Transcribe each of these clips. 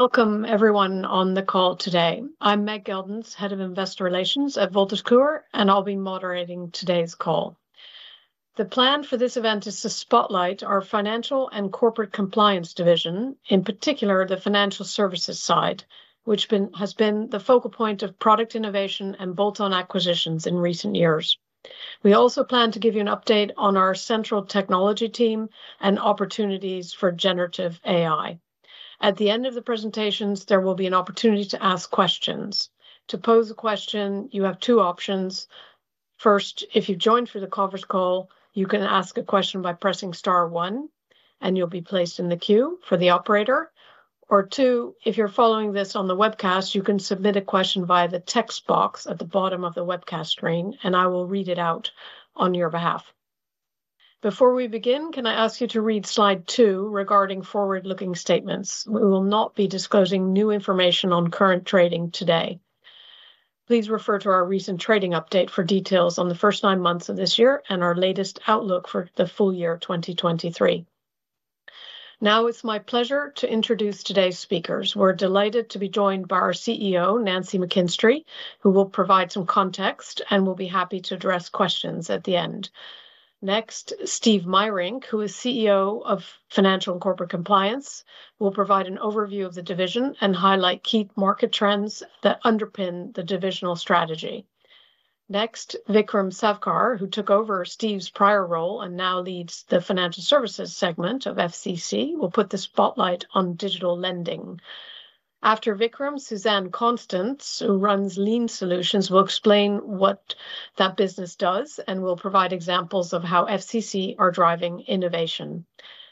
Welcome everyone on the call today. I'm Meg Geldens, head of Investor Relations at Wolters Kluwer, and I'll be moderating today's call. The plan for this event is to spotlight our Financial and Corporate Compliance division, in particular, the financial services side, which has been the focal point of product innovation and bolt-on acquisitions in recent years. We also plan to give you an update on our central technology team and opportunities for generative AI. At the end of the presentations, there will be an opportunity to ask questions. To pose a question, you have two options: first, if you've joined through the conference call, you can ask a question by pressing star one, and you'll be placed in the queue for the operator, or two, if you're following this on the webcast, you can submit a question via the text box at the bottom of the webcast screen, and I will read it out on your behalf. Before we begin, can I ask you to read slide two regarding forward-looking statements? We will not be disclosing new information on current trading today. Please refer to our recent trading update for details on the first nine months of this year and our latest outlook for the full year 2023. Now it's my pleasure to introduce today's speakers. We're delighted to be joined by our CEO, Nancy McKinstry, who will provide some context and will be happy to address questions at the end. Next, Steven Meirink, who is CEO of Financial and Corporate Compliance, will provide an overview of the division and highlight key market trends that underpin the divisional strategy. Next, Vikram Savkar, who took over Steve's prior role and now leads the financial services segment of FCC, will put the spotlight on digital lending. After Vikram, Suzanne Konstance, who runs Lien Solutions, will explain what that business does, and will provide examples of how FCC are driving innovation.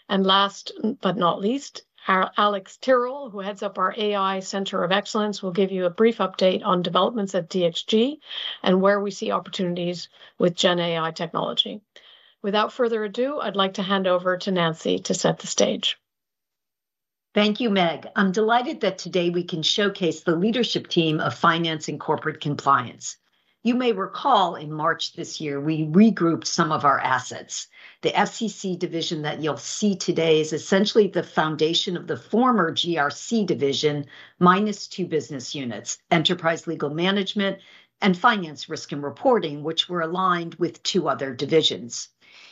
And last but not least, our Alex Tyrrell, who heads up our AI Center of Excellence, will give you a brief update on developments at ESG and where we see opportunities with GenAI technology. Without further ado, I'd like to hand over to Nancy to set the stage. Thank you, Meg. I'm delighted that today we can showcase the leadership team of Financial and Corporate Compliance. You may recall in March this year, we regrouped some of our assets. The FCC division that you'll see today is essentially the foundation of the former GRC division, minus two business units: Enterprise Legal Management and Finance Risk and Reporting, which were aligned with two other divisions.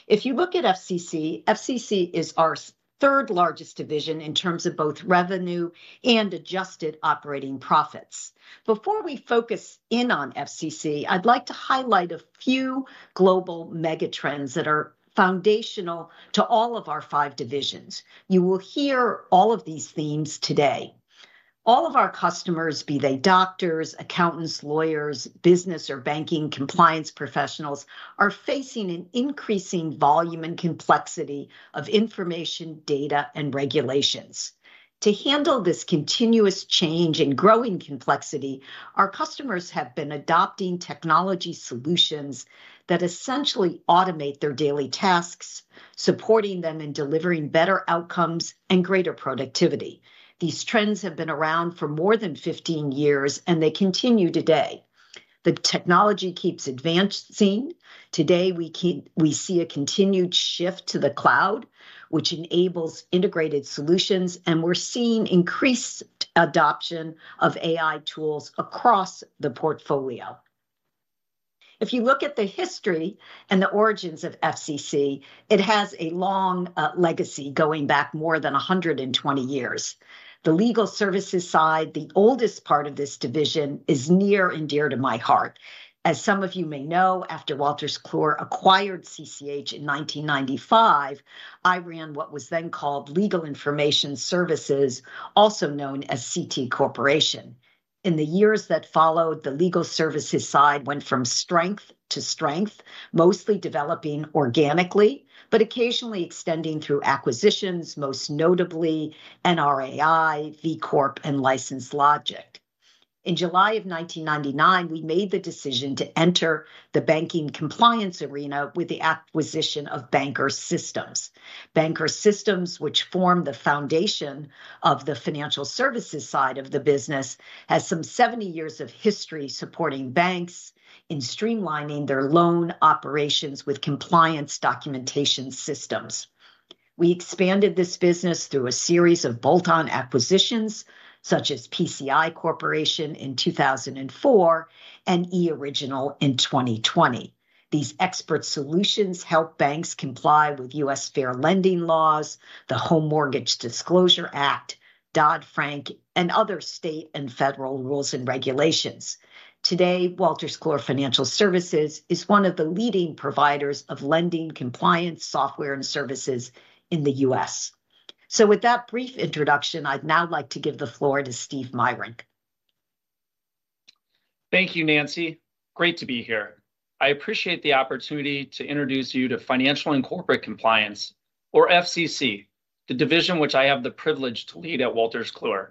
If you look at FCC, FCC is our third largest division in terms of both revenue and adjusted operating profits. Before we focus in on FCC, I'd like to highlight a few global mega trends that are foundational to all of our five divisions. You will hear all of these themes today. All of our customers, be they doctors, accountants, lawyers, business or banking compliance professionals, are facing an increasing volume and complexity of information, data, and regulations. To handle this continuous change in growing complexity, our customers have been adopting technology solutions that essentially automate their daily tasks, supporting them in delivering better outcomes and greater productivity. These trends have been around for more than 15 years, and they continue today. The technology keeps advancing. Today, we see a continued shift to the cloud, which enables integrated solutions, and we're seeing increased adoption of AI tools across the portfolio. If you look at the history and the origins of FCC, it has a long legacy going back more than 120 years. The legal services side, the oldest part of this division, is near and dear to my heart. As some of you may know, after Wolters Kluwer acquired CCH in 1995, I ran what was then called Legal Information Services, also known as CT Corporation. In the years that followed, the legal services side went from strength to strength, mostly developing organically, but occasionally extending through acquisitions, most notably NRAI, VCorp, and LicenseLogix. In July of 1999, we made the decision to enter the banking compliance arena with the acquisition of Bankers Systems. Bankers Systems, which form the foundation of the financial services side of the business, has some 70 years of history supporting banks in streamlining their loan operations with compliance documentation systems. We expanded this business through a series of bolt-on acquisitions, such as PCI Corporation in 2004 and eOriginal in 2020. These expert solutions help banks comply with U.S. fair lending laws, the Home Mortgage Disclosure Act, Dodd-Frank, and other state and federal rules and regulations. Today, Wolters Kluwer Financial Services is one of the leading providers of lending compliance, software, and services in the U.S. With that brief introduction, I'd now like to give the floor to Steven Meirink. Thank you, Nancy. Great to be here. I appreciate the opportunity to introduce you to Financial and Corporate Compliance, or FCC, the division which I have the privilege to lead at Wolters Kluwer.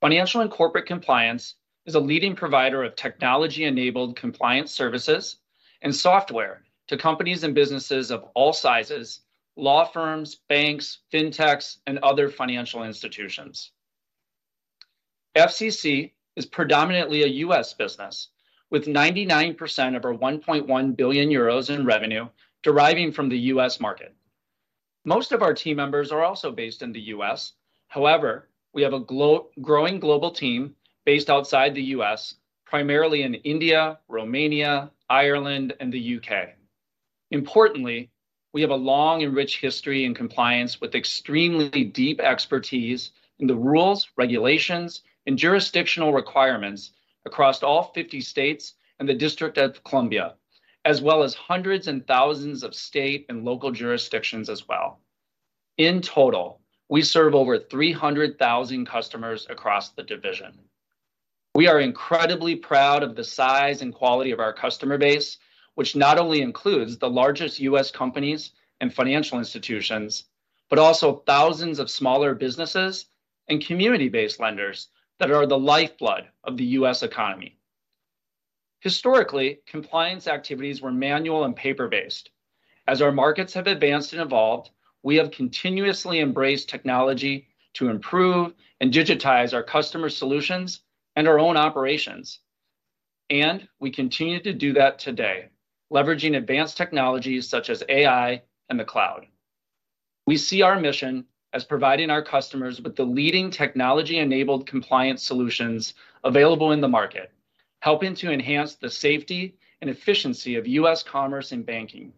Financial and Corporate Compliance is a leading provider of technology-enabled compliance services and software to companies and businesses of all sizes, law firms, banks, fintechs, and other financial institutions. FCC is predominantly a U.S. business, with 99% of our 1.1 billion euros in revenue deriving from the U.S. market.... Most of our team members are also based in the U.S. However, we have a growing global team based outside the U.S., primarily in India, Romania, Ireland, and the U.K. Importantly, we have a long and rich history in compliance with extremely deep expertise in the rules, regulations, and jurisdictional requirements across all 50 states and the District of Columbia, as well as hundreds and thousands of state and local jurisdictions as well. In total, we serve over 300,000 customers across the division. We are incredibly proud of the size and quality of our customer base, which not only includes the largest U.S. companies and financial institutions, but also thousands of smaller businesses and community-based lenders that are the lifeblood of the U.S. economy. Historically, compliance activities were manual and paper-based. As our markets have advanced and evolved, we have continuously embraced technology to improve and digitize our customer solutions and our own operations. We continue to do that today, leveraging advanced technologies such as AI and the cloud. We see our mission as providing our customers with the leading technology-enabled compliance solutions available in the market, helping to enhance the safety and efficiency of U.S. commerce and banking.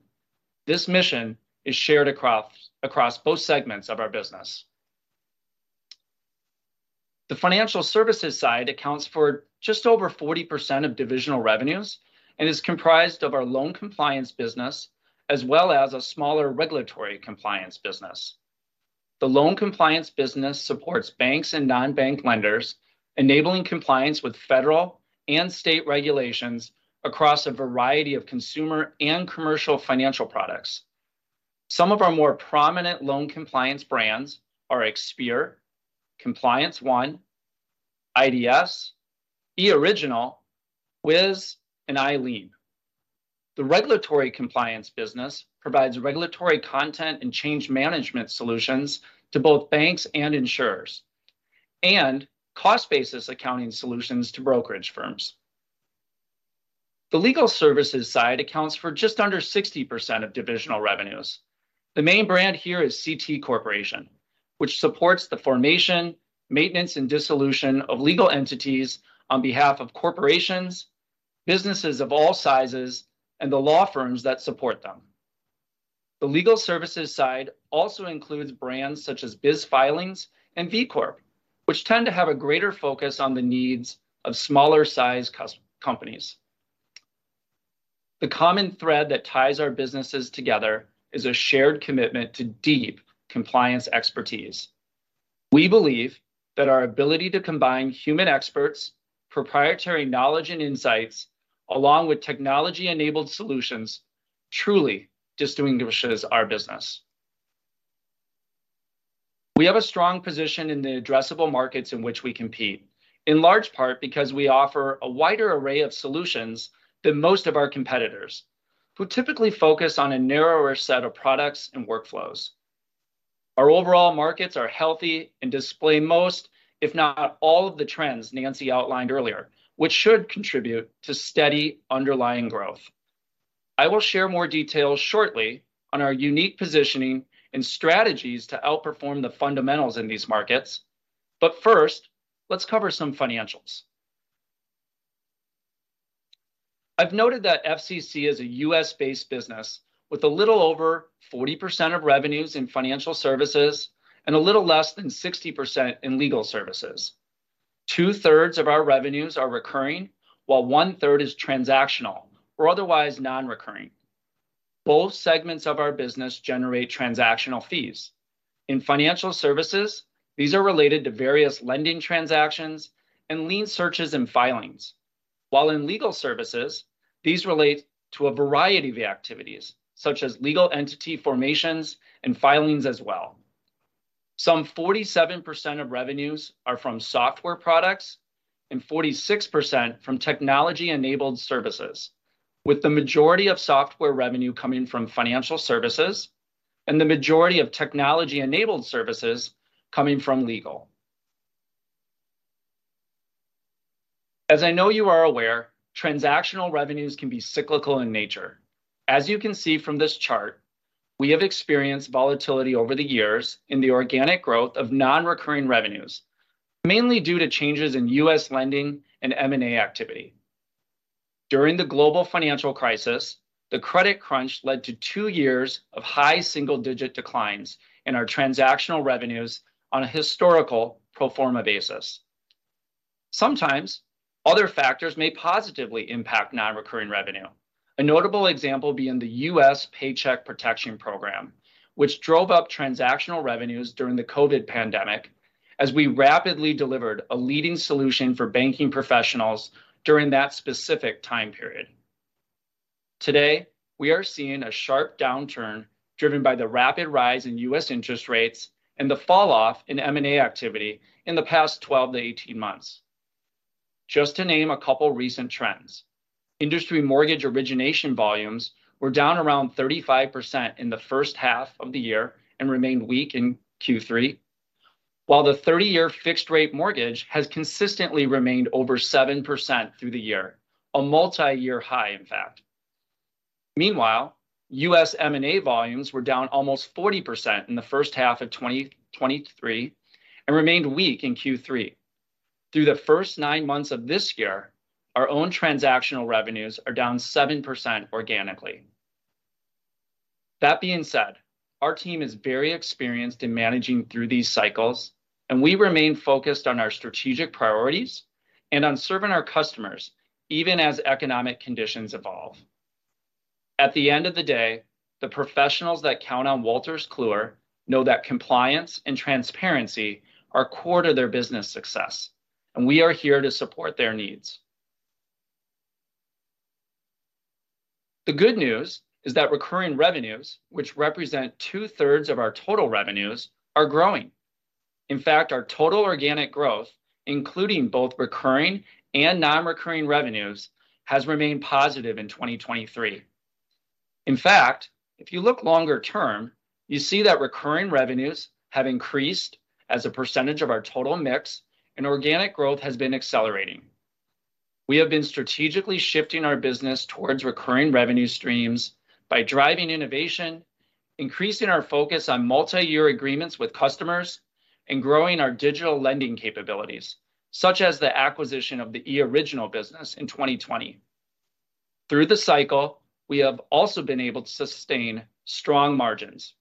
This mission is shared across both segments of our business. The financial services side accounts for just over 40% of divisional revenues and is comprised of our loan compliance business, as well as a smaller regulatory compliance business. The loan compliance business supports banks and non-bank lenders, enabling compliance with federal and state regulations across a variety of consumer and commercial financial products. Some of our more prominent loan compliance brands are Expere, ComplianceOne, IDS, eOriginal, Wiz, and iLien. The regulatory compliance business provides regulatory content and change management solutions to both banks and insurers, and cost-basis accounting solutions to brokerage firms. The legal services side accounts for just under 60% of divisional revenues. The main brand here is CT Corporation, which supports the formation, maintenance, and dissolution of legal entities on behalf of corporations, businesses of all sizes, and the law firms that support them. The legal services side also includes brands such as BizFilings and VCorp, which tend to have a greater focus on the needs of smaller-sized companies. The common thread that ties our businesses together is a shared commitment to deep compliance expertise. We believe that our ability to combine human experts, proprietary knowledge and insights, along with technology-enabled solutions, truly distinguishes our business. We have a strong position in the addressable markets in which we compete, in large part because we offer a wider array of solutions than most of our competitors, who typically focus on a narrower set of products and workflows. Our overall markets are healthy and display most, if not all, of the trends Nancy outlined earlier, which should contribute to steady underlying growth. I will share more details shortly on our unique positioning and strategies to outperform the fundamentals in these markets, but first, let's cover some financials. I've noted that FCC is a U.S.-based business with a little over 40% of revenues in financial services and a little less than 60% in legal services. Two-thirds of our revenues are recurring, while one-third is transactional or otherwise non-recurring. Both segments of our business generate transactional fees. In financial services, these are related to various lending transactions and lien searches and filings, while in legal services, these relate to a variety of activities, such as legal entity formations and filings as well. Some 47% of revenues are from software products and 46% from technology-enabled services, with the majority of software revenue coming from financial services, and the majority of technology-enabled services coming from legal. As I know you are aware, transactional revenues can be cyclical in nature. As you can see from this chart, we have experienced volatility over the years in the organic growth of non-recurring revenues, mainly due to changes in U.S. lending and M&A activity. During the global financial crisis, the credit crunch led to two years of high single-digit declines in our transactional revenues on a historical pro forma basis. Sometimes other factors may positively impact non-recurring revenue. A notable example being the U.S. Paycheck Protection Program, which drove up transactional revenues during the COVID pandemic, as we rapidly delivered a leading solution for banking professionals during that specific time period. Today, we are seeing a sharp downturn driven by the rapid rise in U.S. interest rates and the falloff in M&A activity in the past 12-18 months. Just to name a couple recent trends, industry mortgage origination volumes were down around 35% in the first half of the year and remained weak in Q3, while the 30-year fixed-rate mortgage has consistently remained over 7% through the year, a multi-year high, in fact. Meanwhile, U.S. M&A volumes were down almost 40% in the first half of 2023, and remained weak in Q3. Through the first 9 months of this year, our own transactional revenues are down 7% organically. That being said, our team is very experienced in managing through these cycles, and we remain focused on our strategic priorities and on serving our customers, even as economic conditions evolve. At the end of the day, the professionals that count on Wolters Kluwer know that compliance and transparency are core to their business success, and we are here to support their needs. The good news is that recurring revenues, which represent two-thirds of our total revenues, are growing. In fact, our total organic growth, including both recurring and non-recurring revenues, has remained positive in 2023. In fact, if you look longer term, you see that recurring revenues have increased as a percentage of our total mix, and organic growth has been accelerating. We have been strategically shifting our business towards recurring revenue streams by driving innovation, increasing our focus on multi-year agreements with customers, and growing our digital lending capabilities, such as the acquisition of the eOriginal business in 2020. Through the cycle, we have also been able to sustain strong margins.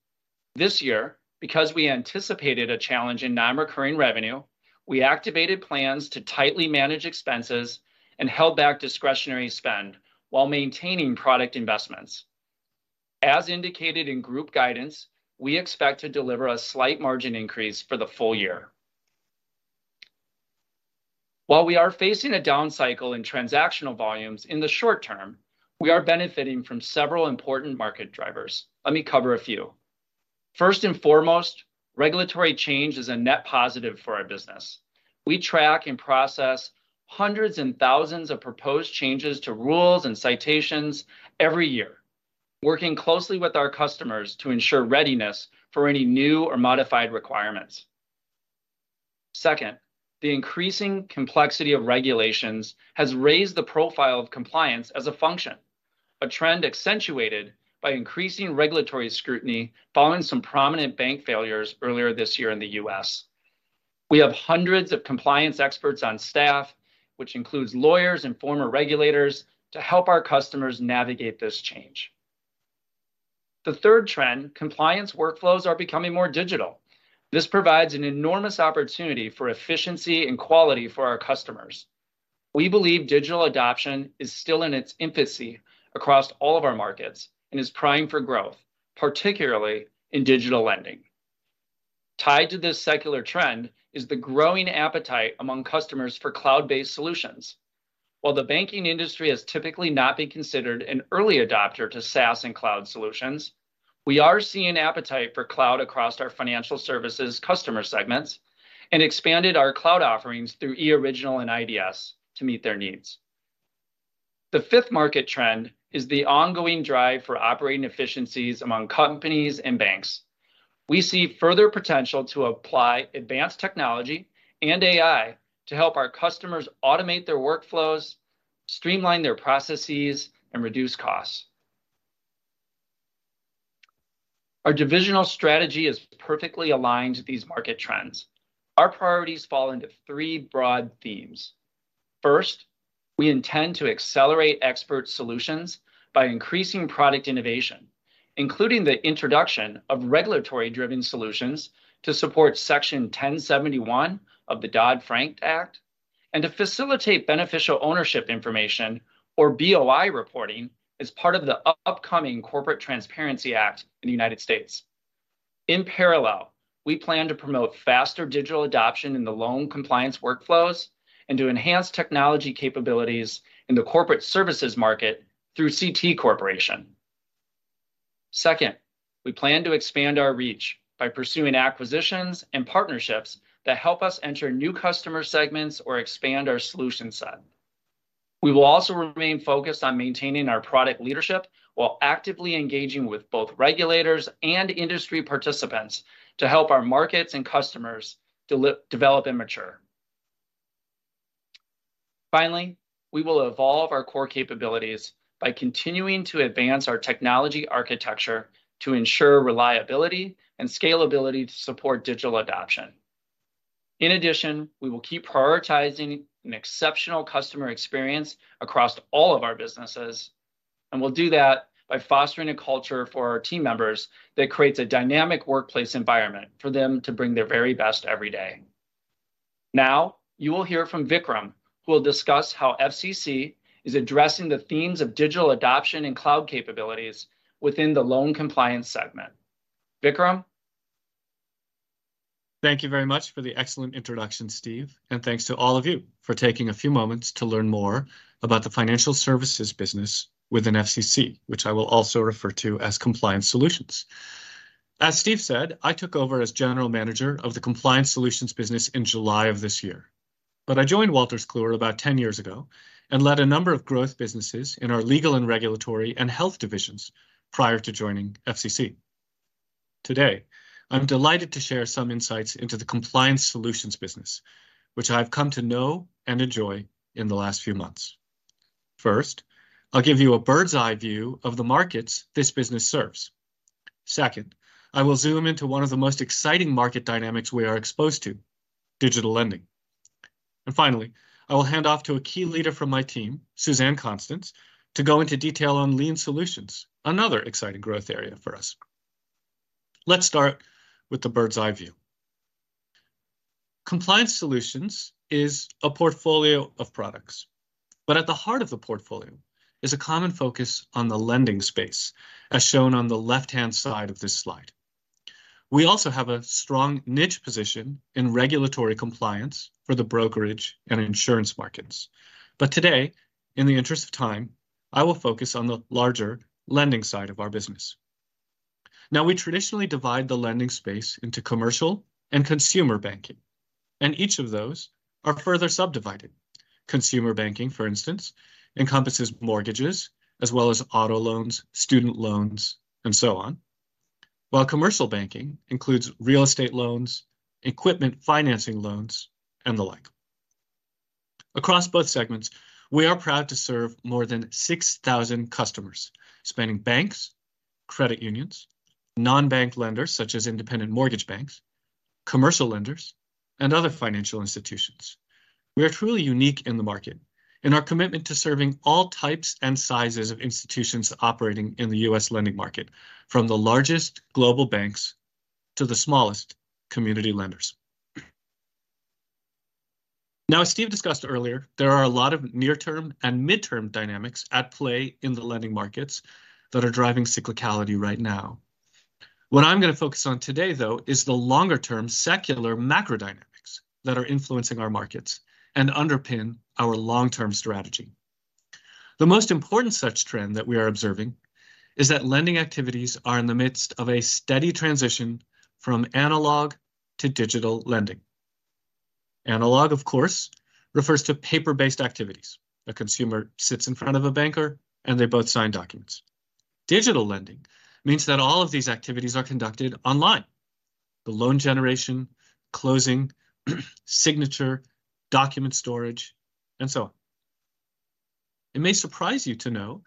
This year, because we anticipated a challenge in non-recurring revenue, we activated plans to tightly manage expenses and held back discretionary spend while maintaining product investments. As indicated in group guidance, we expect to deliver a slight margin increase for the full year. While we are facing a down cycle in transactional volumes in the short term, we are benefiting from several important market drivers. Let me cover a few. First and foremost, regulatory change is a net positive for our business. We track and process hundreds and thousands of proposed changes to rules and citations every year, working closely with our customers to ensure readiness for any new or modified requirements. Second, the increasing complexity of regulations has raised the profile of compliance as a function, a trend accentuated by increasing regulatory scrutiny following some prominent bank failures earlier this year in the U.S. We have hundreds of compliance experts on staff, which includes lawyers and former regulators, to help our customers navigate this change. The third trend, compliance workflows are becoming more digital. This provides an enormous opportunity for efficiency and quality for our customers. We believe digital adoption is still in its infancy across all of our markets and is primed for growth, particularly in digital lending. Tied to this secular trend is the growing appetite among customers for cloud-based solutions. While the banking industry has typically not been considered an early adopter to SaaS and cloud solutions, we are seeing appetite for cloud across our financial services customer segments and expanded our cloud offerings through eOriginal and IDS to meet their needs. The fifth market trend is the ongoing drive for operating efficiencies among companies and banks. We see further potential to apply advanced technology and AI to help our customers automate their workflows, streamline their processes, and reduce costs. Our divisional strategy is perfectly aligned to these market trends. Our priorities fall into three broad themes. First, we intend to accelerate expert solutions by increasing product innovation, including the introduction of regulatory-driven solutions to support Section 1071 of the Dodd-Frank Act, and to facilitate beneficial ownership information, or BOI reporting, as part of the upcoming Corporate Transparency Act in the United States. In parallel, we plan to promote faster digital adoption in the loan compliance workflows and to enhance technology capabilities in the corporate services market through CT Corporation. Second, we plan to expand our reach by pursuing acquisitions and partnerships that help us enter new customer segments or expand our solution set. We will also remain focused on maintaining our product leadership, while actively engaging with both regulators and industry participants to help our markets and customers develop and mature. Finally, we will evolve our core capabilities by continuing to advance our technology architecture to ensure reliability and scalability to support digital adoption. In addition, we will keep prioritizing an exceptional customer experience across all of our businesses, and we'll do that by fostering a culture for our team members that creates a dynamic workplace environment for them to bring their very best every day. Now, you will hear from Vikram, who will discuss how FCC is addressing the themes of digital adoption and cloud capabilities within the loan compliance segment. Vikram? Thank you very much for the excellent introduction, Steve, and thanks to all of you for taking a few moments to learn more about the financial services business within FCC, which I will also refer to as Compliance Solutions. As Steve said, I took over as general manager of the Compliance Solutions business in July of this year. But I joined Wolters Kluwer about 10 years ago and led a number of growth businesses in our legal and regulatory and health divisions prior to joining FCC. Today, I'm delighted to share some insights into the compliance solutions business, which I've come to know and enjoy in the last few months. First, I'll give you a bird's-eye view of the markets this business serves. Second, I will zoom into one of the most exciting market dynamics we are exposed to: digital lending. And finally, I will hand off to a key leader from my team, Suzanne Konstance, to go into detail on Lien Solutions, another exciting growth area for us. Let's start with the bird's-eye view. Compliance Solutions is a portfolio of products, but at the heart of the portfolio is a common focus on the lending space, as shown on the left-hand side of this slide. We also have a strong niche position in regulatory compliance for the brokerage and insurance markets. But today, in the interest of time, I will focus on the larger lending side of our business. Now, we traditionally divide the lending space into commercial and consumer banking, and each of those are further subdivided. Consumer banking, for instance, encompasses mortgages as well as auto loans, student loans, and so on, while commercial banking includes real estate loans, equipment financing loans, and the like. Across both segments, we are proud to serve more than 6,000 customers, spanning banks, credit unions, non-bank lenders such as independent mortgage banks, commercial lenders, and other financial institutions. We are truly unique in the market, and our commitment to serving all types and sizes of institutions operating in the U.S. lending market, from the largest global banks to the smallest community lenders. Now, as Steve discussed earlier, there are a lot of near-term and midterm dynamics at play in the lending markets that are driving cyclicality right now. What I'm going to focus on today, though, is the longer-term secular macro dynamics that are influencing our markets and underpin our long-term strategy. The most important such trend that we are observing is that lending activities are in the midst of a steady transition from analog to digital lending. Analog, of course, refers to paper-based activities. A consumer sits in front of a banker, and they both sign documents. Digital lending means that all of these activities are conducted online: the loan generation, closing, signature, document storage, and so on. It may surprise you to know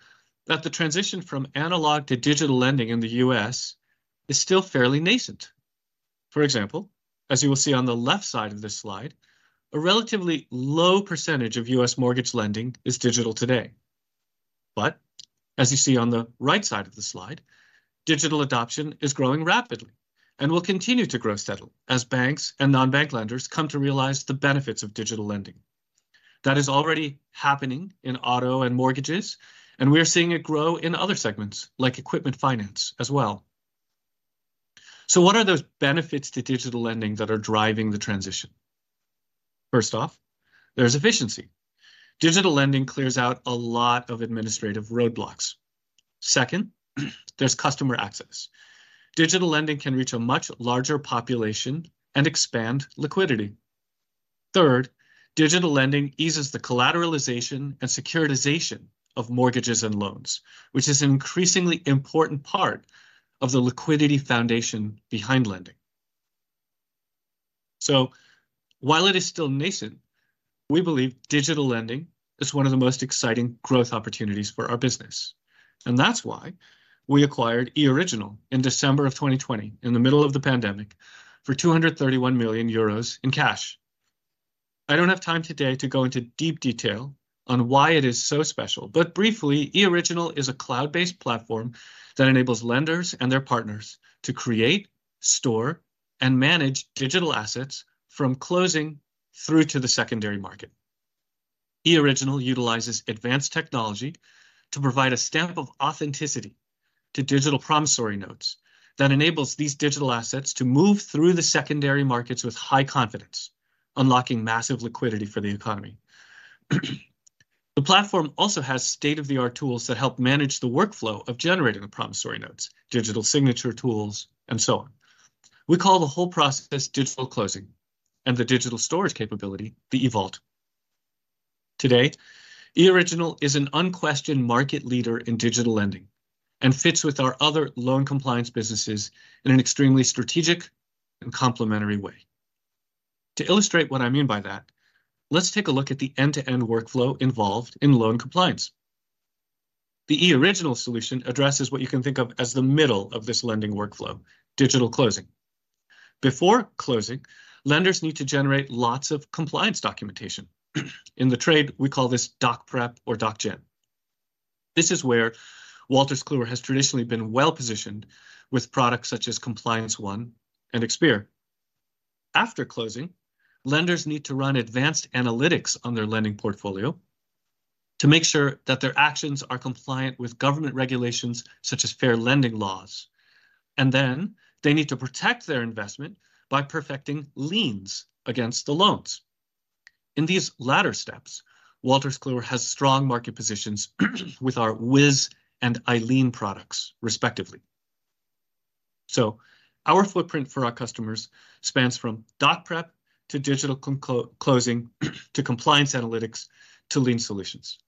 that the transition from analog to digital lending in the U.S. is still fairly nascent. For example, as you will see on the left side of this slide, a relatively low percentage of U.S. mortgage lending is digital today. But as you see on the right side of the slide, digital adoption is growing rapidly and will continue to grow steadily as banks and non-bank lenders come to realize the benefits of digital lending. That is already happening in auto and mortgages, and we are seeing it grow in other segments like equipment finance as well. So what are those benefits to digital lending that are driving the transition? First off, there's efficiency. Digital lending clears out a lot of administrative roadblocks. Second, there's customer access. Digital lending can reach a much larger population and expand liquidity. Third, digital lending eases the collateralization and securitization of mortgages and loans, which is an increasingly important part of the liquidity foundation behind lending. So while it is still nascent, we believe digital lending is one of the most exciting growth opportunities for our business, and that's why we acquired eOriginal in December 2020, in the middle of the pandemic, for 231 million euros in cash. I don't have time today to go into deep detail on why it is so special, but briefly, eOriginal is a cloud-based platform that enables lenders and their partners to create, store, and manage digital assets from closing through to the secondary market. eOriginal utilizes advanced technology to provide a stamp of authenticity to digital promissory notes that enables these digital assets to move through the secondary markets with high confidence, unlocking massive liquidity for the economy. The platform also has state-of-the-art tools that help manage the workflow of generating the promissory notes, digital signature tools, and so on. We call the whole process digital closing and the digital storage capability, the eVault. Today, eOriginal is an unquestioned market leader in digital lending and fits with our other loan compliance businesses in an extremely strategic and complementary way. To illustrate what I mean by that, let's take a look at the end-to-end workflow involved in loan compliance. The eOriginal solution addresses what you can think of as the middle of this lending workflow, digital closing. Before closing, lenders need to generate lots of compliance documentation. In the trade, we call this doc prep or doc gen. This is where Wolters Kluwer has traditionally been well-positioned with products such as ComplianceOne and Expere. After closing, lenders need to run advanced analytics on their lending portfolio to make sure that their actions are compliant with government regulations such as fair lending laws, and then they need to protect their investment by perfecting liens against the loans. In these latter steps, Wolters Kluwer has strong market positions with our Wiz and iLien products, respectively.... So our footprint for our customers spans from doc prep to digital closing, to compliance analytics, to lien solutions.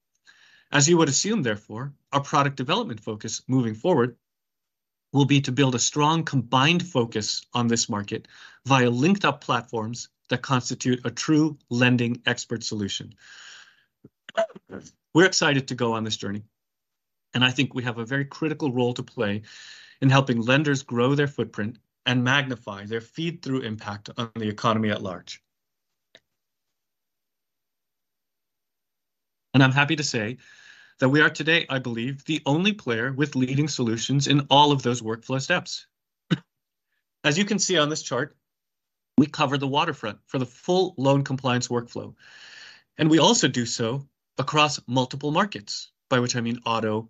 As you would assume, therefore, our product development focus moving forward will be to build a strong, combined focus on this market via linked-up platforms that constitute a true lending expert solution. We're excited to go on this journey, and I think we have a very critical role to play in helping lenders grow their footprint and magnify their feed-through impact on the economy at large. I'm happy to say that we are today, I believe, the only player with leading solutions in all of those workflow steps. As you can see on this chart, we cover the waterfront for the full loan compliance workflow, and we also do so across multiple markets, by which I mean auto,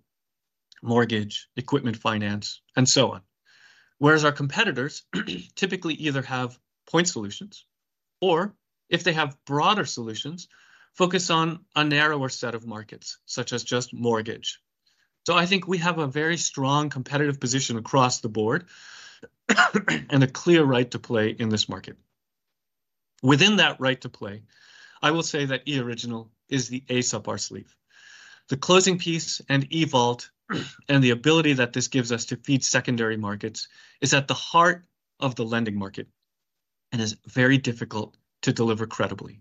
mortgage, equipment, finance, and so on. Whereas our competitors typically either have point solutions, or if they have broader solutions, focus on a narrower set of markets, such as just mortgage. I think we have a very strong competitive position across the board, and a clear right to play in this market. Within that right to play, I will say that eOriginal is the ace up our sleeve. The closing piece and eVault, and the ability that this gives us to feed secondary markets, is at the heart of the lending market and is very difficult to deliver credibly.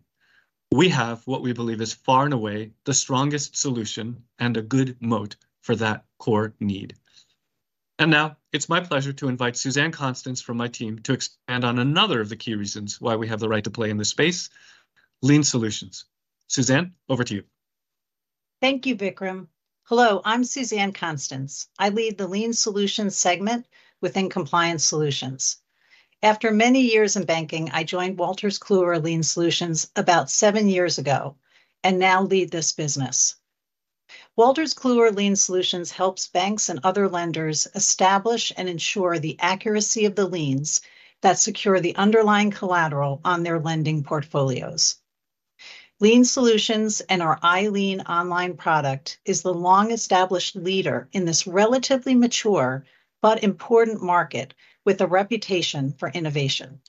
We have what we believe is far and away the strongest solution and a good moat for that core need. And now it's my pleasure to invite Suzanne Konstance from my team to expand on another of the key reasons why we have the right to play in this space, Lien Solutions. Suzanne, over to you. Thank you, Vikram. Hello, I'm Suzanne Konstance. I lead the Lien Solutions segment within Compliance Solutions. After many years in banking, I joined Wolters Kluwer Lien Solutions about seven years ago and now lead this business. Wolters Kluwer Lien Solutions helps banks and other lenders establish and ensure the accuracy of the liens that secure the underlying collateral on their lending portfolios. Lien Solutions and our iLien online product is the long-established leader in this relatively mature but important market, with a reputation for innovation.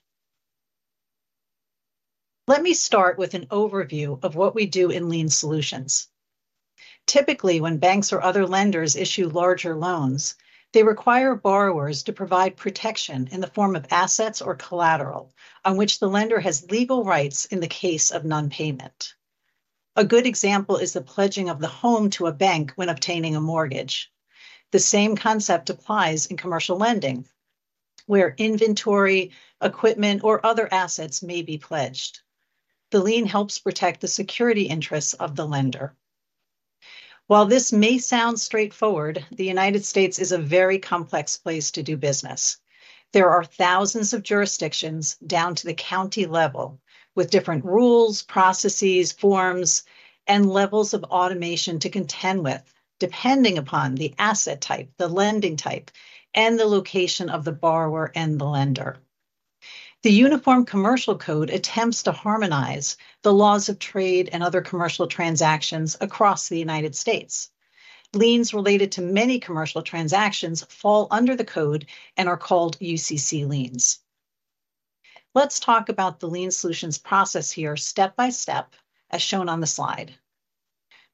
Let me start with an overview of what we do in Lien Solutions. Typically, when banks or other lenders issue larger loans, they require borrowers to provide protection in the form of assets or collateral, on which the lender has legal rights in the case of non-payment. A good example is the pledging of the home to a bank when obtaining a mortgage. The same concept applies in commercial lending, where inventory, equipment, or other assets may be pledged. The lien helps protect the security interests of the lender. While this may sound straightforward, the United States is a very complex place to do business. There are thousands of jurisdictions, down to the county level, with different rules, processes, forms, and levels of automation to contend with, depending upon the asset type, the lending type, and the location of the borrower and the lender. The Uniform Commercial Code attempts to harmonize the laws of trade and other commercial transactions across the United States. Liens related to many commercial transactions fall under the code and are called UCC liens. Let's talk about the Lien Solutions process here step by step, as shown on the slide.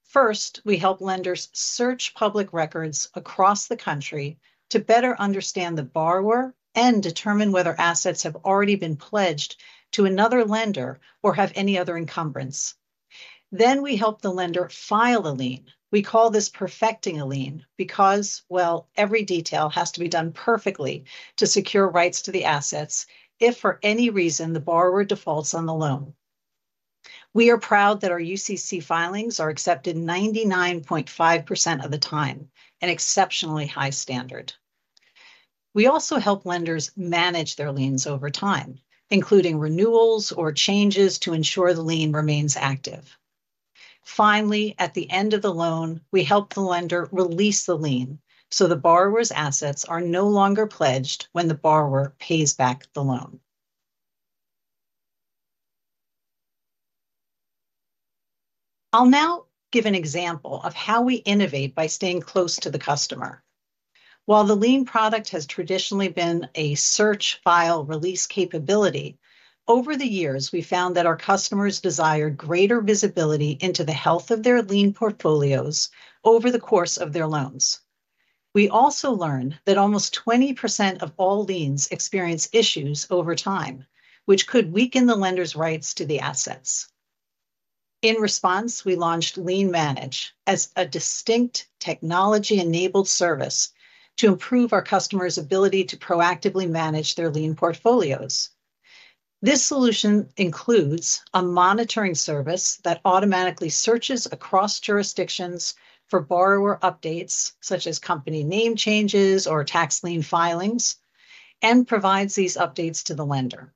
First, we help lenders search public records across the country to better understand the borrower and determine whether assets have already been pledged to another lender or have any other encumbrance. Then, we help the lender file a lien. We call this perfecting a lien, because, well, every detail has to be done perfectly to secure rights to the assets if for any reason, the borrower defaults on the loan. We are proud that our UCC filings are accepted 99.5% of the time, an exceptionally high standard. We also help lenders manage their liens over time, including renewals or changes to ensure the lien remains active. Finally, at the end of the loan, we help the lender release the lien, so the borrower's assets are no longer pledged when the borrower pays back the loan. I'll now give an example of how we innovate by staying close to the customer. While the lien product has traditionally been a search, file, release capability, over the years, we found that our customers desired greater visibility into the health of their lien portfolios over the course of their loans. We also learned that almost 20% of all liens experience issues over time, which could weaken the lender's rights to the assets. In response, we launched Lien Manage as a distinct technology-enabled service to improve our customers' ability to proactively manage their lien portfolios. This solution includes a monitoring service that automatically searches across jurisdictions for borrower updates, such as company name changes or tax lien filings, and provides these updates to the lender.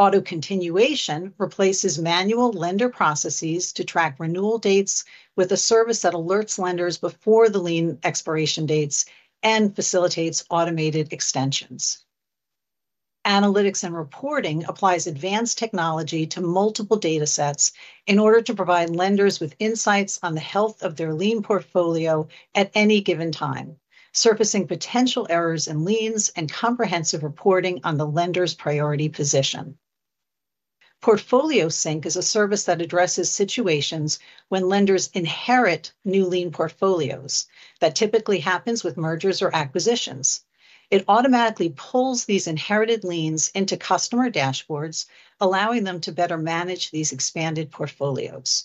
Auto continuation replaces manual lender processes to track renewal dates with a service that alerts lenders before the lien expiration dates and facilitates automated extensions. Analytics and reporting applies advanced technology to multiple data sets in order to provide lenders with insights on the health of their lien portfolio at any given time, surfacing potential errors in liens and comprehensive reporting on the lender's priority position. Portfolio Sync is a service that addresses situations when lenders inherit new lien portfolios. That typically happens with mergers or acquisitions. It automatically pulls these inherited liens into customer dashboards, allowing them to better manage these expanded portfolios.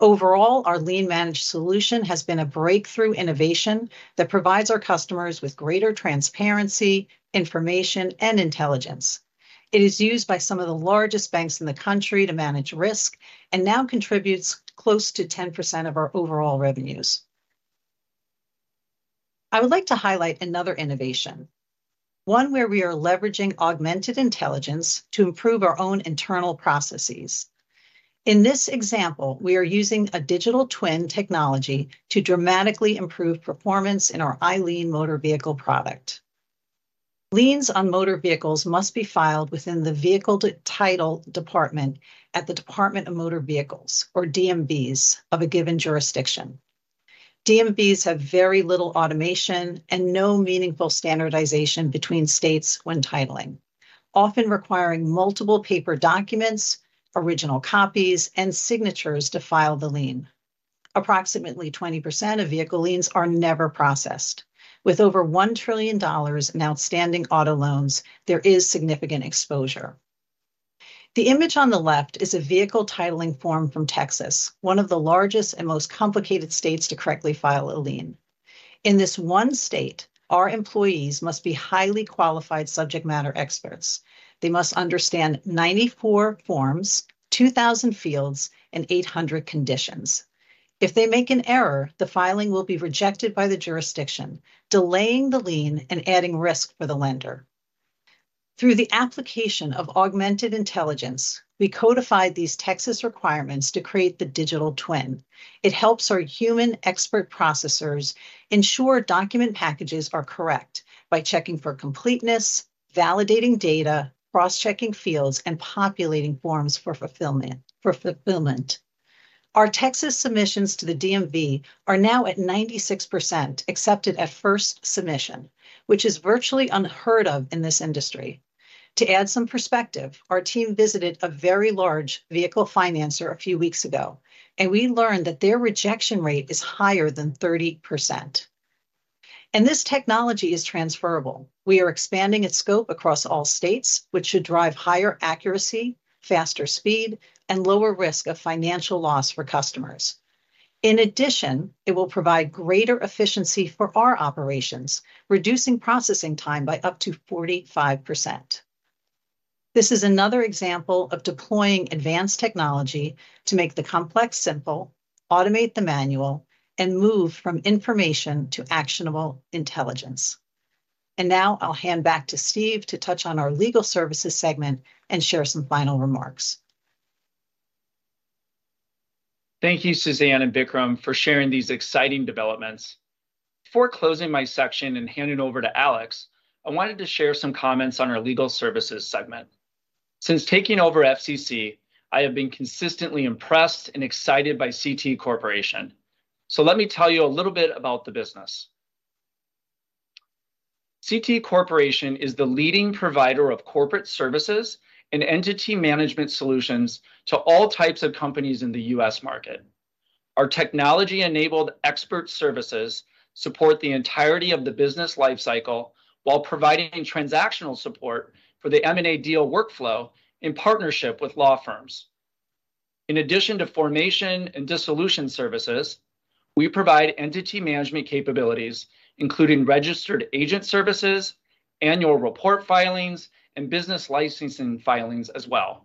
Overall, our Lien Manage solution has been a breakthrough innovation that provides our customers with greater transparency, information, and intelligence. It is used by some of the largest banks in the country to manage risk, and now contributes close to 10% of our overall revenues. I would like to highlight another innovation, one where we are leveraging augmented intelligence to improve our own internal processes. In this example, we are using a digital twin technology to dramatically improve performance in our iLien Motor Vehicle product. Liens on motor vehicles must be filed within the vehicle title department at the Department of Motor Vehicles, or DMVs, of a given jurisdiction. DMVs have very little automation and no meaningful standardization between states when titling, often requiring multiple paper documents, original copies, and signatures to file the lien. Approximately 20% of vehicle liens are never processed. With over $1 trillion in outstanding auto loans, there is significant exposure. The image on the left is a vehicle titling form from Texas, one of the largest and most complicated states to correctly file a lien. In this one state, our employees must be highly qualified subject matter experts. They must understand 94 forms, 2,000 fields, and 800 conditions. If they make an error, the filing will be rejected by the jurisdiction, delaying the lien and adding risk for the lender. Through the application of augmented intelligence, we codified these Texas requirements to create the digital twin. It helps our human expert processors ensure document packages are correct by checking for completeness, validating data, cross-checking fields, and populating forms for fulfillment, for fulfillment. Our Texas submissions to the DMV are now at 96% accepted at first submission, which is virtually unheard of in this industry. To add some perspective, our team visited a very large vehicle financer a few weeks ago, and we learned that their rejection rate is higher than 30%. This technology is transferable. We are expanding its scope across all states, which should drive higher accuracy, faster speed, and lower risk of financial loss for customers. In addition, it will provide greater efficiency for our operations, reducing processing time by up to 45%. This is another example of deploying advanced technology to make the complex simple, automate the manual, and move from information to actionable intelligence. And now I'll hand back to Steve to touch on our legal services segment and share some final remarks. Thank you, Suzanne and Vikram, for sharing these exciting developments. Before closing my section and handing it over to Alex, I wanted to share some comments on our legal services segment. Since taking over FCC, I have been consistently impressed and excited by CT Corporation, so let me tell you a little bit about the business. CT Corporation is the leading provider of corporate services and entity management solutions to all types of companies in the U.S. market. Our technology-enabled expert services support the entirety of the business life cycle while providing transactional support for the M&A deal workflow in partnership with law firms. In addition to formation and dissolution services, we provide entity management capabilities, including registered agent services, annual report filings, and business licensing filings as well,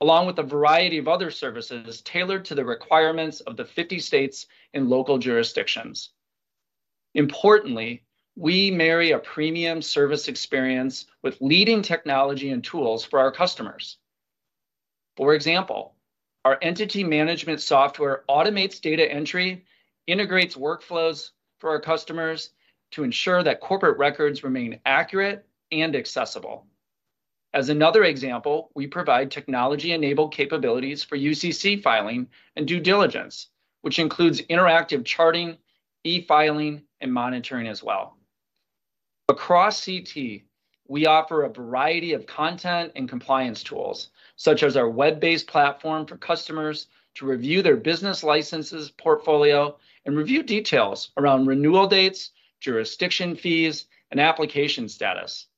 along with a variety of other services tailored to the requirements of the 50 states and local jurisdictions. Importantly, we marry a premium service experience with leading technology and tools for our customers. For example, our entity management software automates data entry, integrates workflows for our customers to ensure that corporate records remain accurate and accessible. As another example, we provide technology-enabled capabilities for UCC filing and due diligence, which includes interactive charting, e-filing, and monitoring as well. Across CT, we offer a variety of content and compliance tools, such as our web-based platform for customers to review their business licenses portfolio and review details around renewal dates, jurisdiction fees, and application status.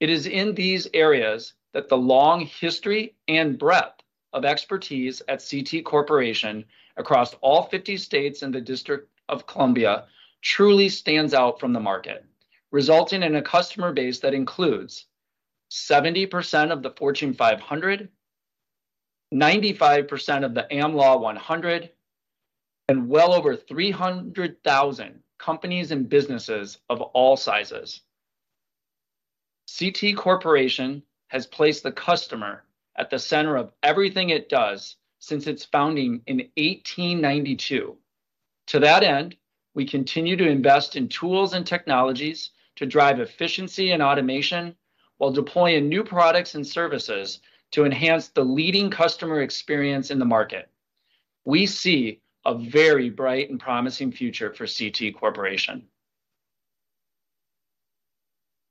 It is in these areas that the long history and breadth of expertise at CT Corporation across all 50 states and the District of Columbia truly stands out from the market, resulting in a customer base that includes 70% of the Fortune 500, 95% of the Am Law 100, and well over 300,000 companies and businesses of all sizes. CT Corporation has placed the customer at the center of everything it does since its founding in 1892. To that end, we continue to invest in tools and technologies to drive efficiency and automation, while deploying new products and services to enhance the leading customer experience in the market. We see a very bright and promising future for CT Corporation.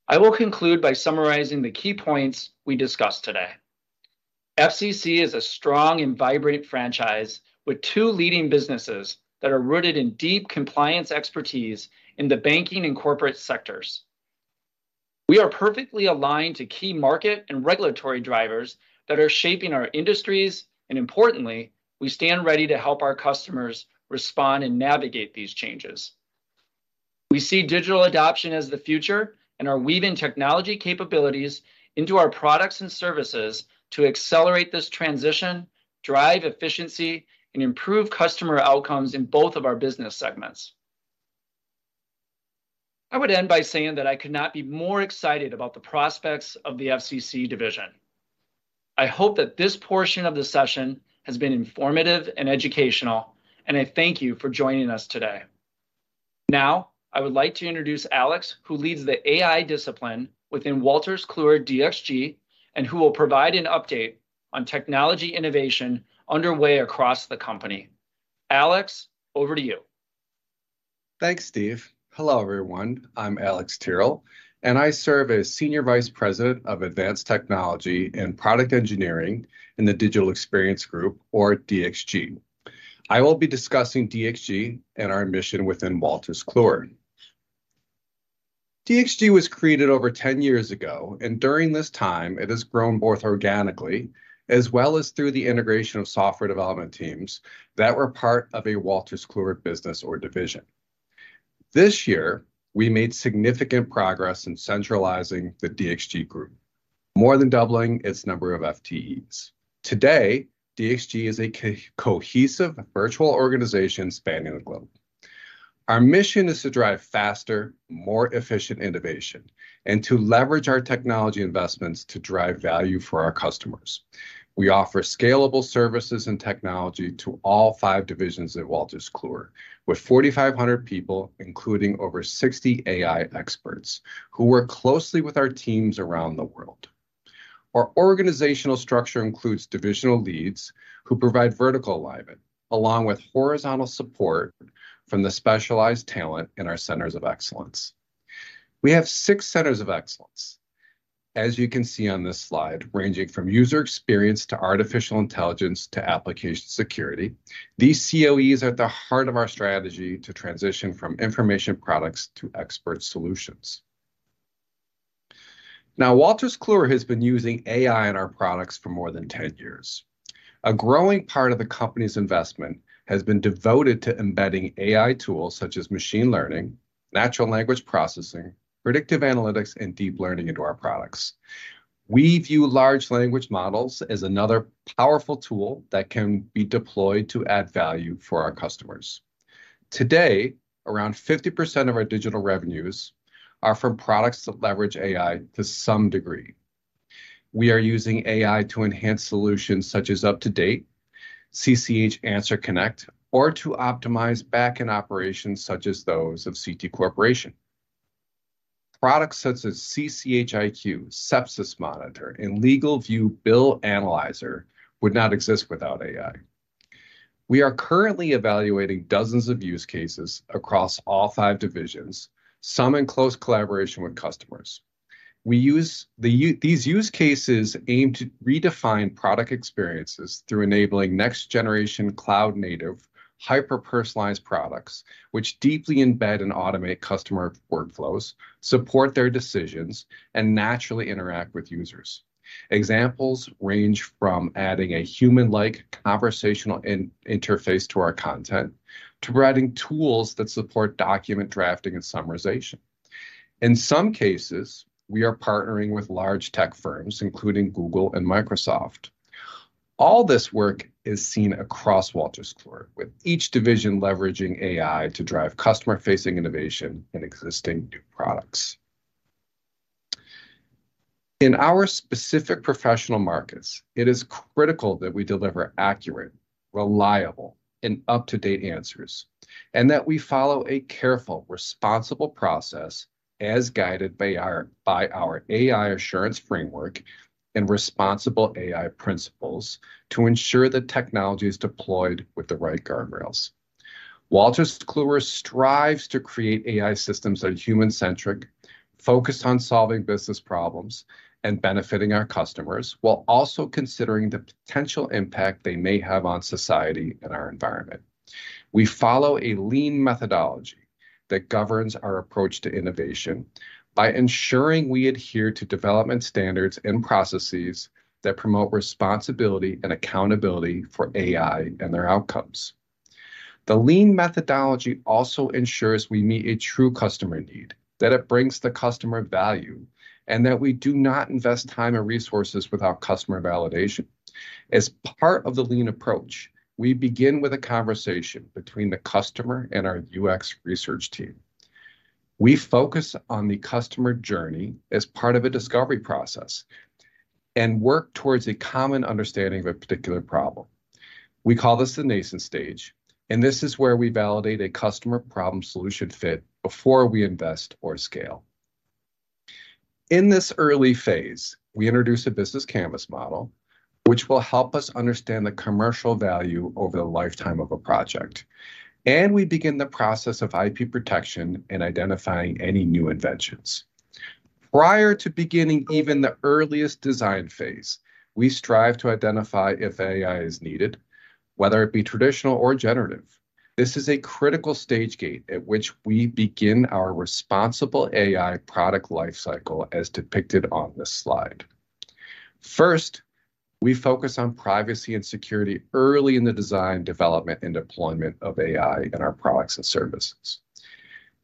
I will conclude by summarizing the key points we discussed today. FCC is a strong and vibrant franchise with two leading businesses that are rooted in deep compliance expertise in the banking and corporate sectors. We are perfectly aligned to key market and regulatory drivers that are shaping our industries, and importantly, we stand ready to help our customers respond and navigate these changes. We see digital adoption as the future and are weaving technology capabilities into our products and services to accelerate this transition, drive efficiency, and improve customer outcomes in both of our business segments. I would end by saying that I could not be more excited about the prospects of the FCC division. I hope that this portion of the session has been informative and educational, and I thank you for joining us today. Now, I would like to introduce Alex, who leads the AI discipline within Wolters Kluwer ESG and who will provide an update on technology innovation underway across the company. Alex, over to you. Thanks, Steve. Hello, everyone. I'm Alex Tyrrell, and I serve as Senior Vice President of Advanced Technology and Product Engineering in the Digital Experience Group, or ESG. I will be discussing ESG and our mission within Wolters Kluwer. ESG was created over 10 years ago, and during this time, it has grown both organically, as well as through the integration of software development teams that were part of a Wolters Kluwer business or division. This year, we made significant progress in centralizing the ESG group, more than doubling its number of FTEs. Today, ESG is a cohesive virtual organization spanning the globe. Our mission is to drive faster, more efficient innovation, and to leverage our technology investments to drive value for our customers. We offer scalable services and technology to all five divisions at Wolters Kluwer, with 4,500 people, including over 60 AI experts, who work closely with our teams around the world. Our organizational structure includes divisional leads, who provide vertical alignment, along with horizontal support from the specialized talent in our centers of excellence. We have 6 centers of excellence, as you can see on this slide, ranging from user experience to artificial intelligence to application security. These COEs are at the heart of our strategy to transition from information products to expert solutions. Now, Wolters Kluwer has been using AI in our products for more than 10 years. A growing part of the company's investment has been devoted to embedding AI tools such as machine learning, natural language processing, predictive analytics, and deep learning into our products. We view large language models as another powerful tool that can be deployed to add value for our customers. Today, around 50% of our digital revenues are from products that leverage AI to some degree. We are using AI to enhance solutions such as UpToDate, CCH AnswerConnect, or to optimize back-end operations, such as those of CT Corporation. Products such as CCH iQ, Sepsis Monitor, and LegalView Bill Analyzer would not exist without AI. We are currently evaluating dozens of use cases across all five divisions, some in close collaboration with customers. We use these use cases aim to redefine product experiences through enabling next-generation, cloud-native, hyper-personalized products, which deeply embed and automate customer workflows, support their decisions, and naturally interact with users. Examples range from adding a human-like conversational interface to our content to providing tools that support document drafting and summarization. In some cases, we are partnering with large tech firms, including Google and Microsoft. All this work is seen across Wolters Kluwer, with each division leveraging AI to drive customer-facing innovation in existing new products. In our specific professional markets, it is critical that we deliver accurate, reliable, and up-to-date answers and that we follow a careful, responsible process, as guided by our AI assurance framework and responsible AI principles, to ensure that technology is deployed with the right guardrails. Wolters Kluwer strives to create AI systems that are human-centric, focused on solving business problems and benefiting our customers, while also considering the potential impact they may have on society and our environment. We follow a lean methodology that governs our approach to innovation by ensuring we adhere to development standards and processes that promote responsibility and accountability for AI and their outcomes. The lean methodology also ensures we meet a true customer need, that it brings the customer value, and that we do not invest time and resources without customer validation. As part of the lean approach, we begin with a conversation between the customer and our UX research team. We focus on the customer journey as part of a discovery process... and work towards a common understanding of a particular problem. We call this the nascent stage, and this is where we validate a customer problem solution fit before we invest or scale. In this early phase, we introduce a business canvas model, which will help us understand the commercial value over the lifetime of a project, and we begin the process of IP protection and identifying any new inventions. Prior to beginning even the earliest design phase, we strive to identify if AI is needed, whether it be traditional or generative. This is a critical stage gate at which we begin our responsible AI product lifecycle, as depicted on this slide. First, we focus on privacy and security early in the design, development, and deployment of AI in our products and services.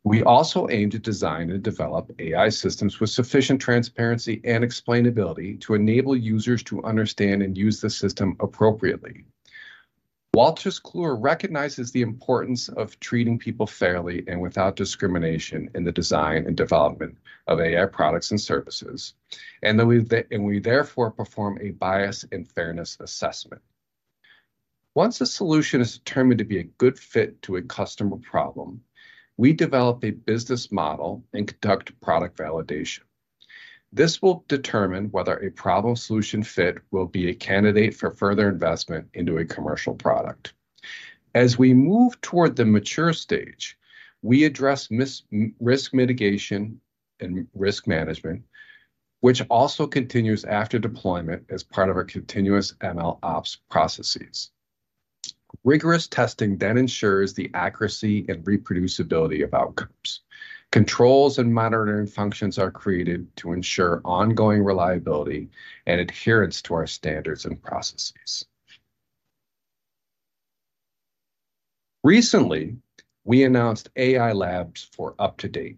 We also aim to design and develop AI systems with sufficient transparency and explainability to enable users to understand and use the system appropriately. Wolters Kluwer recognizes the importance of treating people fairly and without discrimination in the design and development of AI products and services, and that we, and we therefore perform a bias and fairness assessment. Once a solution is determined to be a good fit to a customer problem, we develop a business model and conduct product validation. This will determine whether a problem solution fit will be a candidate for further investment into a commercial product. As we move toward the mature stage, we address risk mitigation and risk management, which also continues after deployment as part of our continuous MLOps processes. Rigorous testing then ensures the accuracy and reproducibility of outcomes. Controls and monitoring functions are created to ensure ongoing reliability and adherence to our standards and processes. Recently, we announced AI Labs for UpToDate,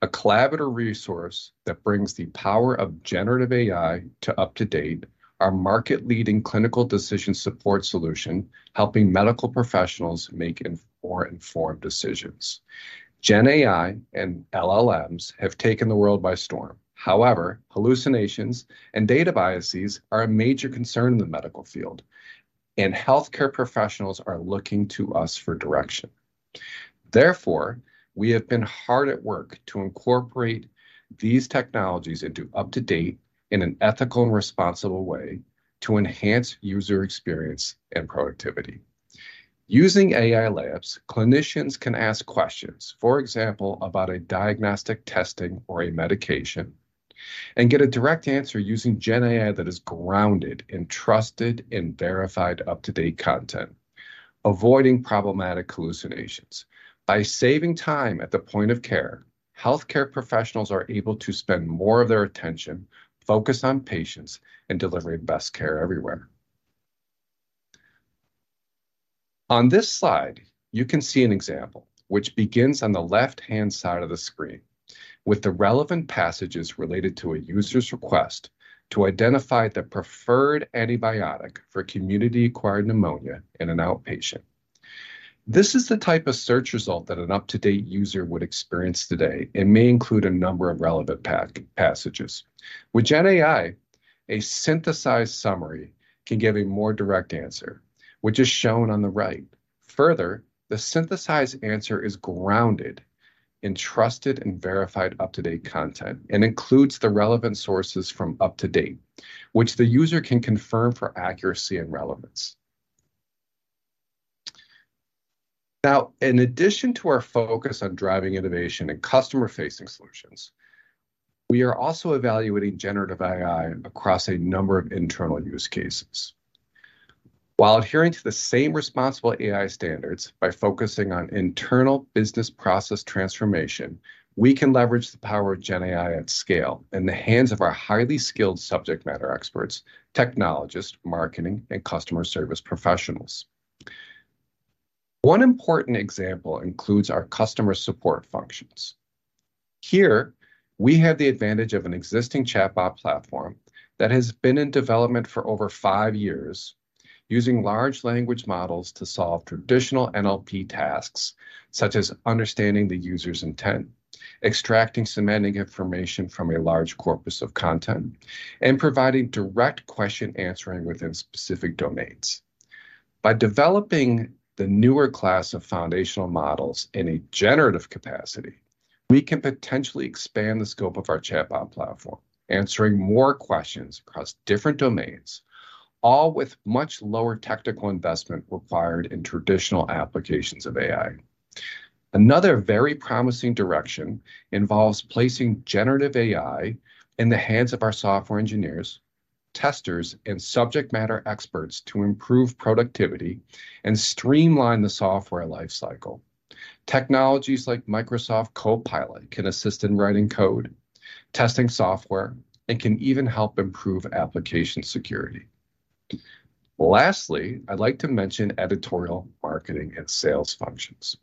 a collaborative resource that brings the power of generative AI to UpToDate, our market-leading clinical decision support solution, helping medical professionals make more informed decisions. Gen AI and LLMs have taken the world by storm. However, hallucinations and data biases are a major concern in the medical field, and healthcare professionals are looking to us for direction. Therefore, we have been hard at work to incorporate these technologies into UpToDate in an ethical and responsible way to enhance user experience and productivity. Using AI Labs, clinicians can ask questions, for example, about a diagnostic testing or a medication, and get a direct answer using Gen AI that is grounded in trusted and verified UpToDate content, avoiding problematic hallucinations. By saving time at the point of care, healthcare professionals are able to spend more of their attention, focus on patients, and deliver best care everywhere. On this slide, you can see an example, which begins on the left-hand side of the screen, with the relevant passages related to a user's request to identify the preferred antibiotic for community-acquired pneumonia in an outpatient. This is the type of search result that an UpToDate user would experience today and may include a number of relevant passages. With Gen AI, a synthesized summary can give a more direct answer, which is shown on the right. Further, the synthesized answer is grounded in trusted and verified UpToDate content and includes the relevant sources from UpToDate, which the user can confirm for accuracy and relevance. Now, in addition to our focus on driving innovation and customer-facing solutions, we are also evaluating generative AI across a number of internal use cases. While adhering to the same responsible AI standards by focusing on internal business process transformation, we can leverage the power of Gen AI at scale in the hands of our highly skilled subject matter experts, technologists, marketing, and customer service professionals. One important example includes our customer support functions. Here, we have the advantage of an existing chatbot platform that has been in development for over five years, using large language models to solve traditional NLP tasks, such as understanding the user's intent, extracting semantic information from a large corpus of content, and providing direct question answering within specific domains. By developing the newer class of foundational models in a generative capacity, we can potentially expand the scope of our chatbot platform, answering more questions across different domains, all with much lower technical investment required in traditional applications of AI. Another very promising direction involves placing generative AI in the hands of our software engineers, testers, and subject matter experts to improve productivity and streamline the software lifecycle. Technologies like Microsoft Copilot can assist in writing code, testing software, and can even help improve application security. Lastly, I'd like to mention editorial, marketing, and sales functions.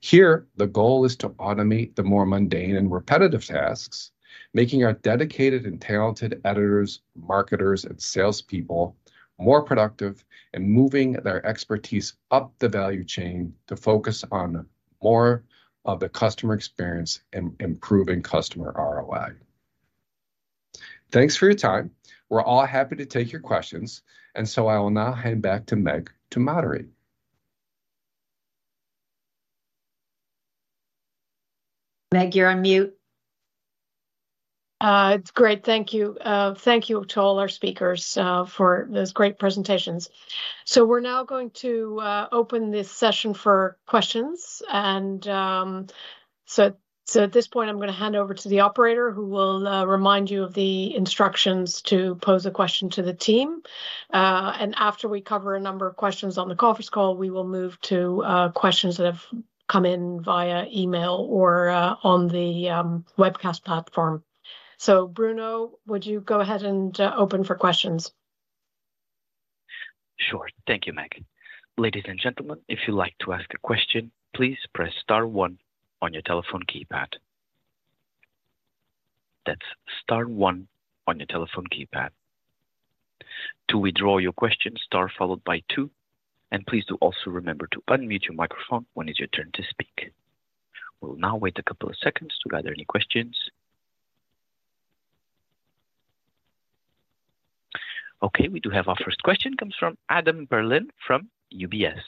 Here, the goal is to automate the more mundane and repetitive tasks, making our dedicated and talented editors, marketers, and salespeople more productive and moving their expertise up the value chain to focus on more of the customer experience and improving customer ROI. Thanks for your time. We're all happy to take your questions, and so I will now hand back to Meg to moderate. Meg, you're on mute. It's great, thank you. Thank you to all our speakers for those great presentations. So we're now going to open this session for questions. And so at this point, I'm gonna hand over to the operator, who will remind you of the instructions to pose a question to the team. And after we cover a number of questions on the conference call, we will move to questions that have come in via email or on the webcast platform. So Bruno, would you go ahead and open for questions? Sure. Thank you, Meg. Ladies and gentlemen, if you'd like to ask a question, please press star one on your telephone keypad. That's star one on your telephone keypad. To withdraw your question, star followed by two, and please do also remember to unmute your microphone when it's your turn to speak. We'll now wait a couple of seconds to gather any questions. Okay, we do have our first question, comes from Adam Berlin from UBS.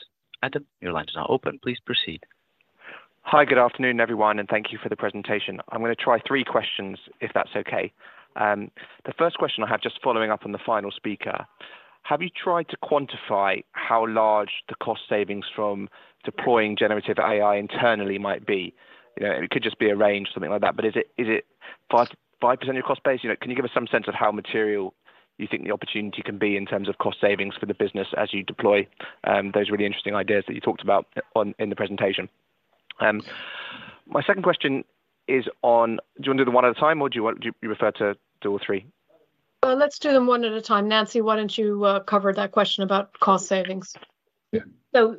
Adam, your line is now open. Please proceed. Hi. Good afternoon, everyone, and thank you for the presentation. I'm gonna try three questions, if that's okay. The first question I have, just following up on the final speaker, have you tried to quantify how large the cost savings from deploying generative AI internally might be? You know, it could just be a range or something like that, but is it 5% of your cost base? You know, can you give us some sense of how material you think the opportunity can be in terms of cost savings for the business as you deploy those really interesting ideas that you talked about in the presentation? My second question is on... Do you want to do them one at a time, or do you prefer to do all three? Let's do them one at a time. Nancy, why don't you cover that question about cost savings? Yeah.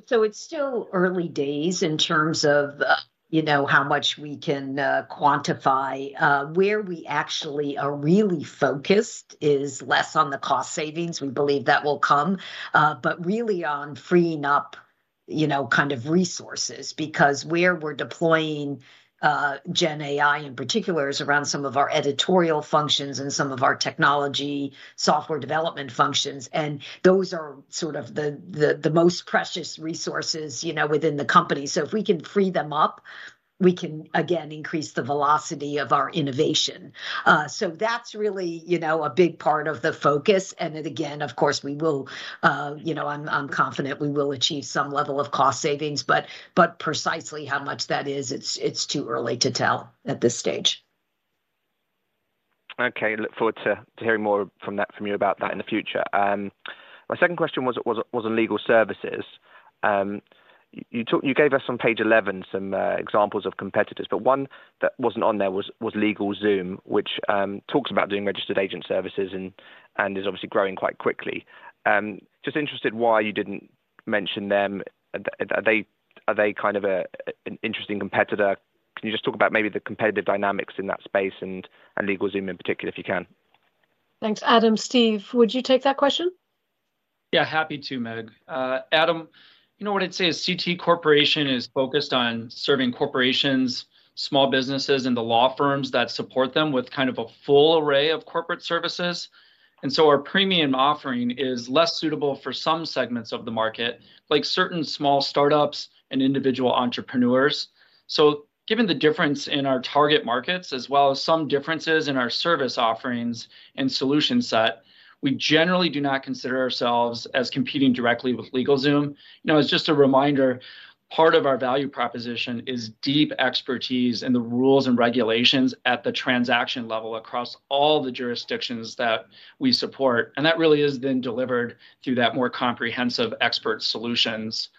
So, it's still early days in terms of, you know, how much we can quantify. Where we actually are really focused is less on the cost savings, we believe that will come, but really on freeing up, you know, kind of resources. Because where we're deploying GenAI, in particular, is around some of our editorial functions and some of our technology software development functions, and those are sort of the most precious resources, you know, within the company. So if we can free them up, we can, again, increase the velocity of our innovation. So that's really, you know, a big part of the focus, and it, again, of course, we will... you know, I'm confident we will achieve some level of cost savings, but precisely how much that is, it's too early to tell at this stage. Okay. Look forward to hearing more from that from you about that in the future. My second question was on legal services. You gave us on page 11 some examples of competitors, but one that wasn't on there was LegalZoom, which talks about doing registered agent services and is obviously growing quite quickly. Just interested why you didn't mention them, and are they kind of an interesting competitor? Can you just talk about maybe the competitive dynamics in that space and LegalZoom in particular, if you can? Thanks, Adam. Steve, would you take that question? Yeah, happy to, Meg. Adam, you know, what I'd say is CT Corporation is focused on serving corporations, small businesses, and the law firms that support them with kind of a full array of corporate services. And so our premium offering is less suitable for some segments of the market, like certain small start-ups and individual entrepreneurs. So given the difference in our target markets, as well as some differences in our service offerings and solution set, we generally do not consider ourselves as competing directly with LegalZoom. You know, as just a reminder, part of our value proposition is deep expertise in the rules and regulations at the transaction level across all the jurisdictions that we support, and that really is then delivered through that more comprehensive expert solutions,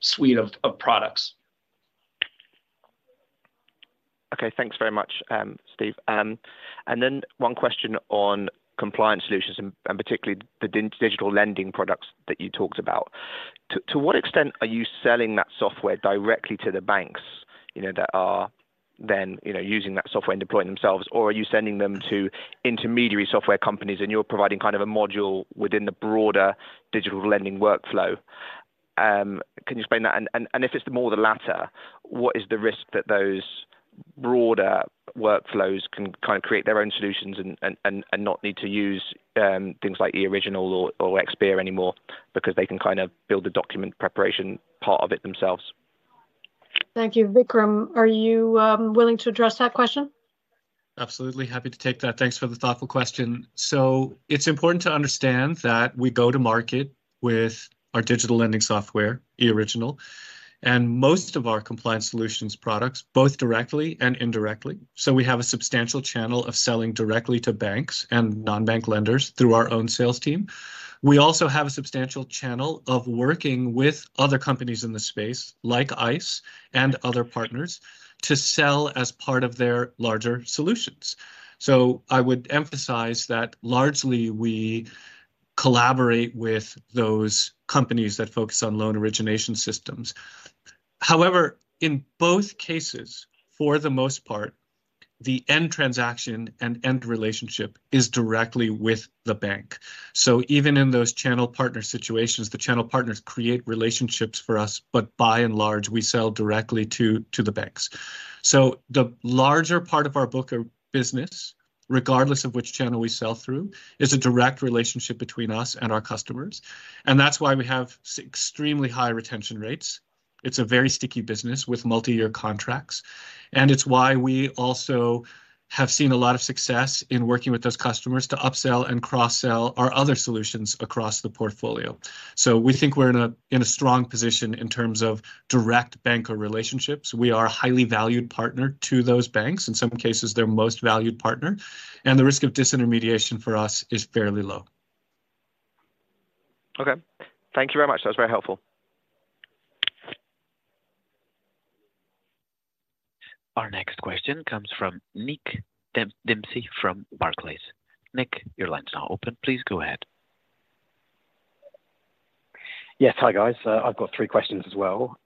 suite of products. Okay, thanks very much, Steve. And then one question on Compliance Solutions and particularly the digital lending products that you talked about. To what extent are you selling that software directly to the banks, you know, that are then, you know, using that software and deploying themselves? Or are you sending them to intermediary software companies, and you're providing kind of a module within the broader digital lending workflow? Can you explain that? And if it's more the latter, what is the risk that those broader workflows can kind of create their own solutions and not need to use things like eOriginal or Expere anymore because they can kind of build the document preparation part of it themselves? Thank you. Vikram, are you willing to address that question? Absolutely. Happy to take that. Thanks for the thoughtful question. So it's important to understand that we go to market with our digital lending software, eOriginal, and most of our compliance solutions products, both directly and indirectly. So we have a substantial channel of selling directly to banks and non-bank lenders through our own sales team. We also have a substantial channel of working with other companies in the space, like ICE and other partners, to sell as part of their larger solutions. So I would emphasize that largely we collaborate with those companies that focus on loan origination systems. However, in both cases, for the most part, the end transaction and end relationship is directly with the bank. So even in those channel partner situations, the channel partners create relationships for us, but by and large, we sell directly to the banks. The larger part of our book of business regardless of which channel we sell through, is a direct relationship between us and our customers, and that's why we have extremely high retention rates. It's a very sticky business with multi-year contracts, and it's why we also have seen a lot of success in working with those customers to upsell and cross-sell our other solutions across the portfolio. So we think we're in a strong position in terms of direct banker relationships. We are a highly valued partner to those banks, in some cases, their most valued partner, and the risk of disintermediation for us is fairly low. Okay. Thank you very much. That was very helpful. Our next question comes from Nick Dempsey from Barclays. Nick, your line's now open. Please go ahead. Yes. Hi, guys. I've got three questions as well.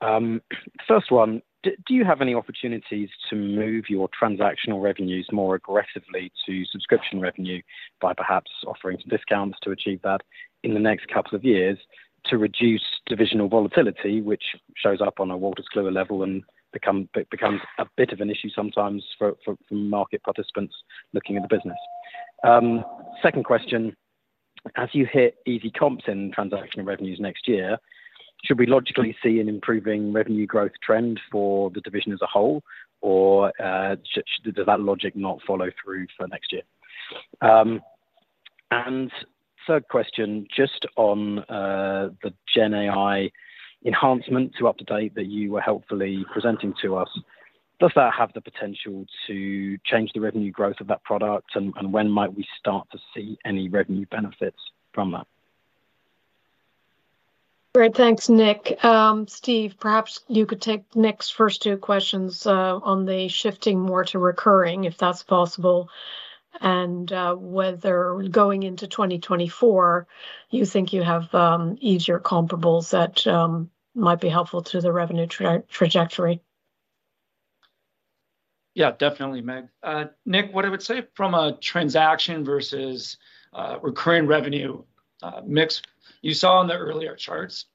First one, do you have any opportunities to move your transactional revenues more aggressively to subscription revenue by perhaps offering some discounts to achieve that in the next couple of years to reduce divisional volatility, which shows up on a Wolters Kluwer level and becomes a bit of an issue sometimes for market participants looking at the business? Second question, as you hit easy comps in transactional revenues next year, should we logically see an improving revenue growth trend for the division as a whole, or does that logic not follow through for next year? And third question, just on the Gen AI enhancement to UpToDate that you were helpfully presenting to us, does that have the potential to change the revenue growth of that product? When might we start to see any revenue benefits from that? Great. Thanks, Nick. Steve, perhaps you could take Nick's first two questions on the shifting more to recurring, if that's possible, and whether going into 2024, you think you have easier comparables that might be helpful to the revenue trajectory. Yeah, definitely, Meg. Nick, what I would say from a transaction versus recurring revenue mix, you saw in the earlier charts,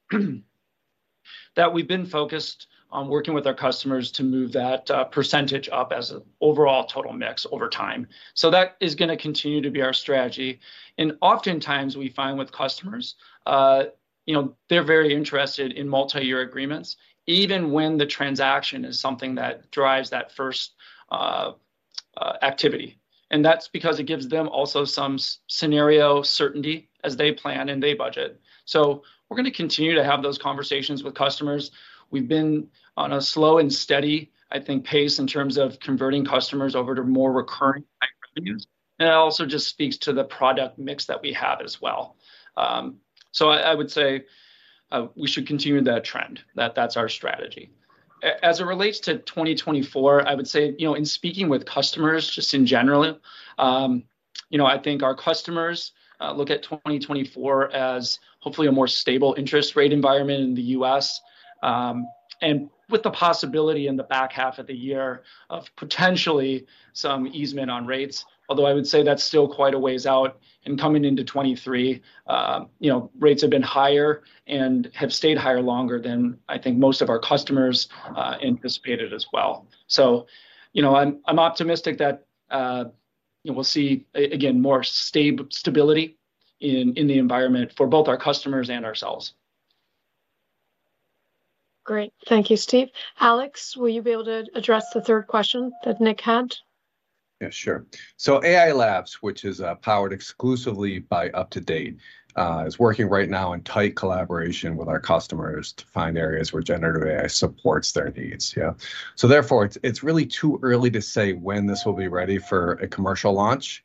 that we've been focused on working with our customers to move that percentage up as an overall total mix over time. So that is gonna continue to be our strategy. And oftentimes, we find with customers, you know, they're very interested in multi-year agreements, even when the transaction is something that drives that first activity. And that's because it gives them also some scenario certainty as they plan and they budget. So we're gonna continue to have those conversations with customers. We've been on a slow and steady, I think, pace in terms of converting customers over to more recurring type revenues, and it also just speaks to the product mix that we have as well. So I would say we should continue that trend, that's our strategy. As it relates to 2024, I would say, you know, in speaking with customers, just in general, you know, I think our customers look at 2024 as hopefully a more stable interest rate environment in the U.S., and with the possibility in the back half of the year of potentially some easement on rates, although I would say that's still quite a ways out. And coming into 2023, you know, rates have been higher and have stayed higher longer than I think most of our customers anticipated as well. So, you know, I'm optimistic that we'll see again more stability in the environment for both our customers and ourselves. Great. Thank you, Steve. Alex, will you be able to address the third question that Nick had? Yeah, sure. So AI Labs, which is powered exclusively by UpToDate, is working right now in tight collaboration with our customers to find areas where generative AI supports their needs. Yeah. So therefore, it's really too early to say when this will be ready for a commercial launch.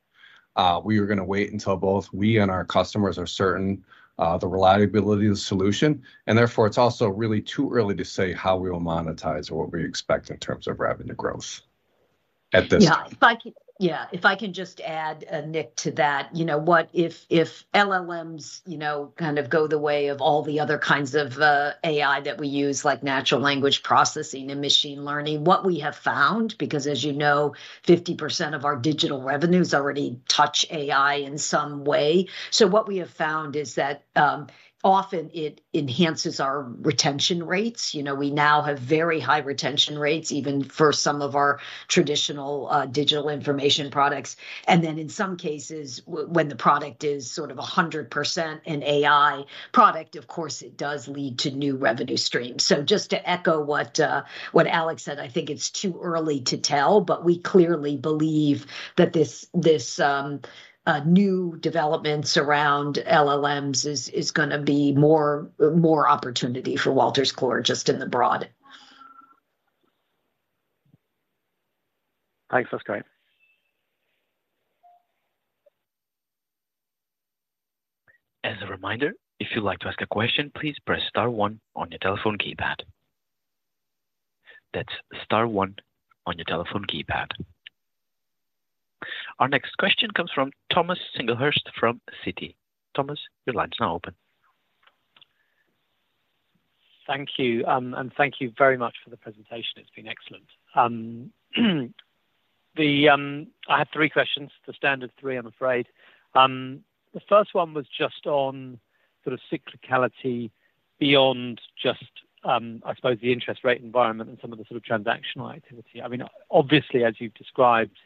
We are gonna wait until both we and our customers are certain of the reliability of the solution, and therefore, it's also really too early to say how we will monetize or what we expect in terms of revenue growth at this time. Yeah, if I can just add, Nick, to that. You know, what if LLMs, you know, kind of go the way of all the other kinds of AI that we use, like natural language processing and machine learning, what we have found, because as you know, 50% of our digital revenues already touch AI in some way. So what we have found is that, often it enhances our retention rates. You know, we now have very high retention rates, even for some of our traditional digital information products. And then in some cases, when the product is sort of a 100% an AI product, of course, it does lead to new revenue streams. So just to echo what Alex said, I think it's too early to tell, but we clearly believe that this new developments around LLMs is gonna be more opportunity for Wolters Kluwer, just in the broad. Thanks. That's great. As a reminder, if you'd like to ask a question, please press star one on your telephone keypad. That's star one on your telephone keypad. Our next question comes from Thomas Singlehurst from Citi. Thomas, your line's now open. Thank you, and thank you very much for the presentation. It's been excellent. I have three questions, the standard three, I'm afraid. The first one was just on of cyclicality beyond just, I suppose the interest rate environment and some of the sort of transactional activity. I mean, obviously, as you've described,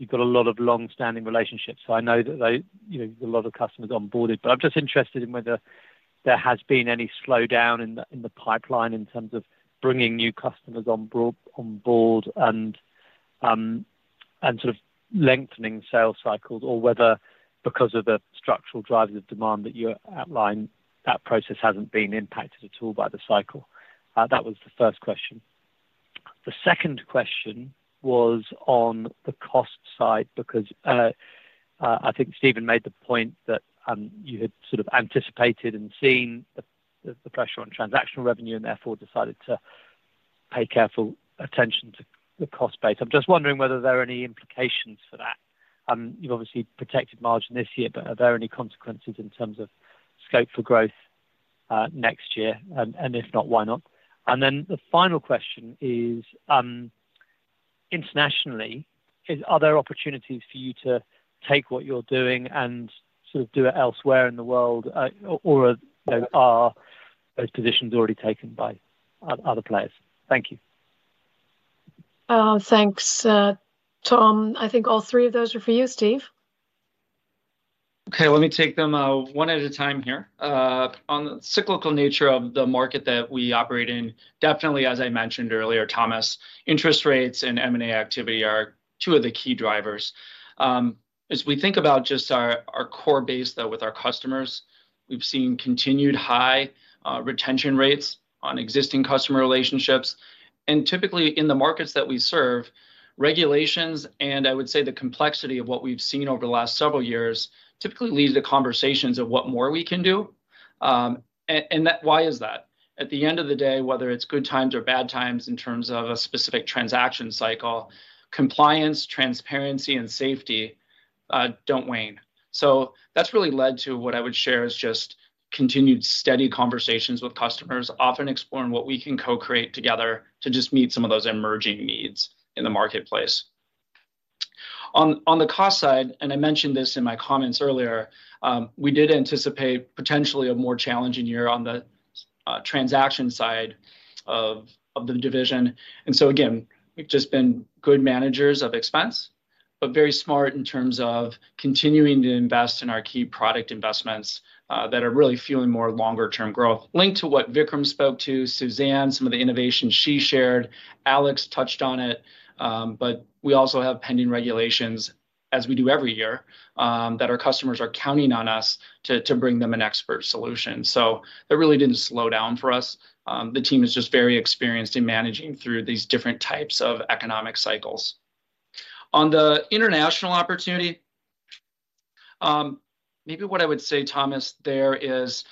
you've got a lot of long-standing relationships, so I know that they, you know, a lot of customers onboarded. But I'm just interested in whether there has been any slowdown in the, in the pipeline in terms of bringing new customers on board, on board and, and sort of lengthening sales cycles, or whether because of the structural drivers of demand that you outlined, that process hasn't been impacted at all by the cycle. That was the first question. The second question was on the cost side, because I think Steven made the point that you had sort of anticipated and seen the pressure on transactional revenue, and therefore decided to pay careful attention to the cost base. I'm just wondering whether there are any implications for that. You've obviously protected margin this year, but are there any consequences in terms of scope for growth next year? And if not, why not? And then the final question is, internationally, are there opportunities for you to take what you're doing and sort of do it elsewhere in the world, or you know, are those positions already taken by other players? Thank you. Thanks, Tom. I think all three of those are for you, Steve. Okay, let me take them one at a time here. On the cyclical nature of the market that we operate in, definitely, as I mentioned earlier, Thomas, interest rates and M&A activity are two of the key drivers. As we think about just our core base, though, with our customers, we've seen continued high retention rates on existing customer relationships. And typically, in the markets that we serve, regulations, and I would say, the complexity of what we've seen over the last several years, typically leads to conversations of what more we can do. And that—why is that? At the end of the day, whether it's good times or bad times in terms of a specific transaction cycle, compliance, transparency, and safety don't wane. So that's really led to what I would share is just continued steady conversations with customers, often exploring what we can co-create together to just meet some of those emerging needs in the marketplace. On the cost side, and I mentioned this in my comments earlier, we did anticipate potentially a more challenging year on the transaction side of the division. And so again, we've just been good managers of expense, but very smart in terms of continuing to invest in our key product investments that are really fueling more longer-term growth. Linked to what Vikram spoke to, Suzanne, some of the innovations she shared, Alex touched on it, but we also have pending regulations, as we do every year, that our customers are counting on us to bring them an expert solution. So it really didn't slow down for us. The team is just very experienced in managing through these different types of economic cycles. On the international opportunity, maybe what I would say, Thomas, there is,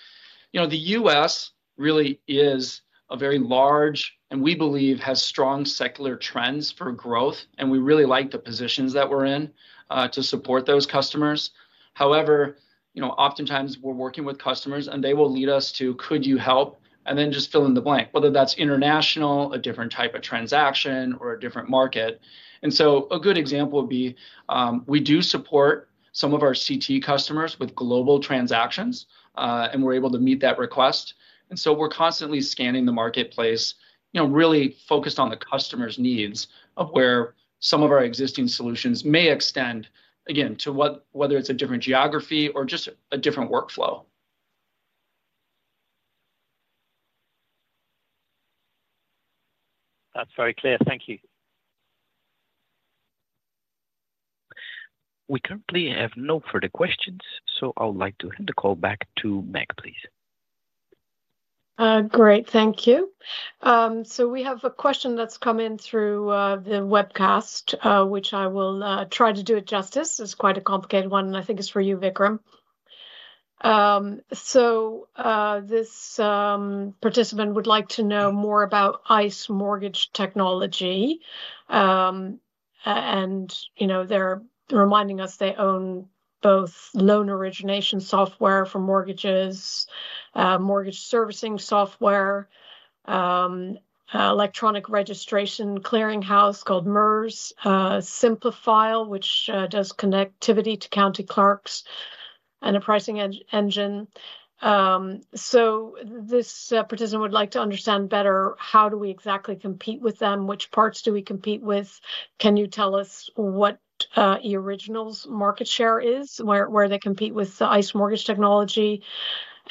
you know, the U.S. really is a very large, and we believe has strong secular trends for growth, and we really like the positions that we're in, to support those customers. However, you know, oftentimes we're working with customers, and they will lead us to, "Could you help?" And then just fill in the blank, whether that's international, a different type of transaction, or a different market. And so a good example would be, we do support some of our CT customers with global transactions, and we're able to meet that request. And so we're constantly scanning the marketplace, you know, really focused on the customer's needs of where some of our existing solutions may extend, again, to whether it's a different geography or just a different workflow. That's very clear. Thank you. We currently have no further questions, so I would like to hand the call back to Meg, please. Great. Thank you. So we have a question that's come in through the webcast, which I will try to do it justice. It's quite a complicated one, and I think it's for you, Vikram. So this participant would like to know more about ICE Mortgage Technology. And, you know, they're reminding us they own both loan origination software for mortgages, mortgage servicing software, electronic registration clearinghouse called MERS, Simplifile, which does connectivity to county clerks, and a pricing engine. So this participant would like to understand better, how do we exactly compete with them? Which parts do we compete with? Can you tell us what eOriginal's market share is, where they compete with the ICE Mortgage Technology?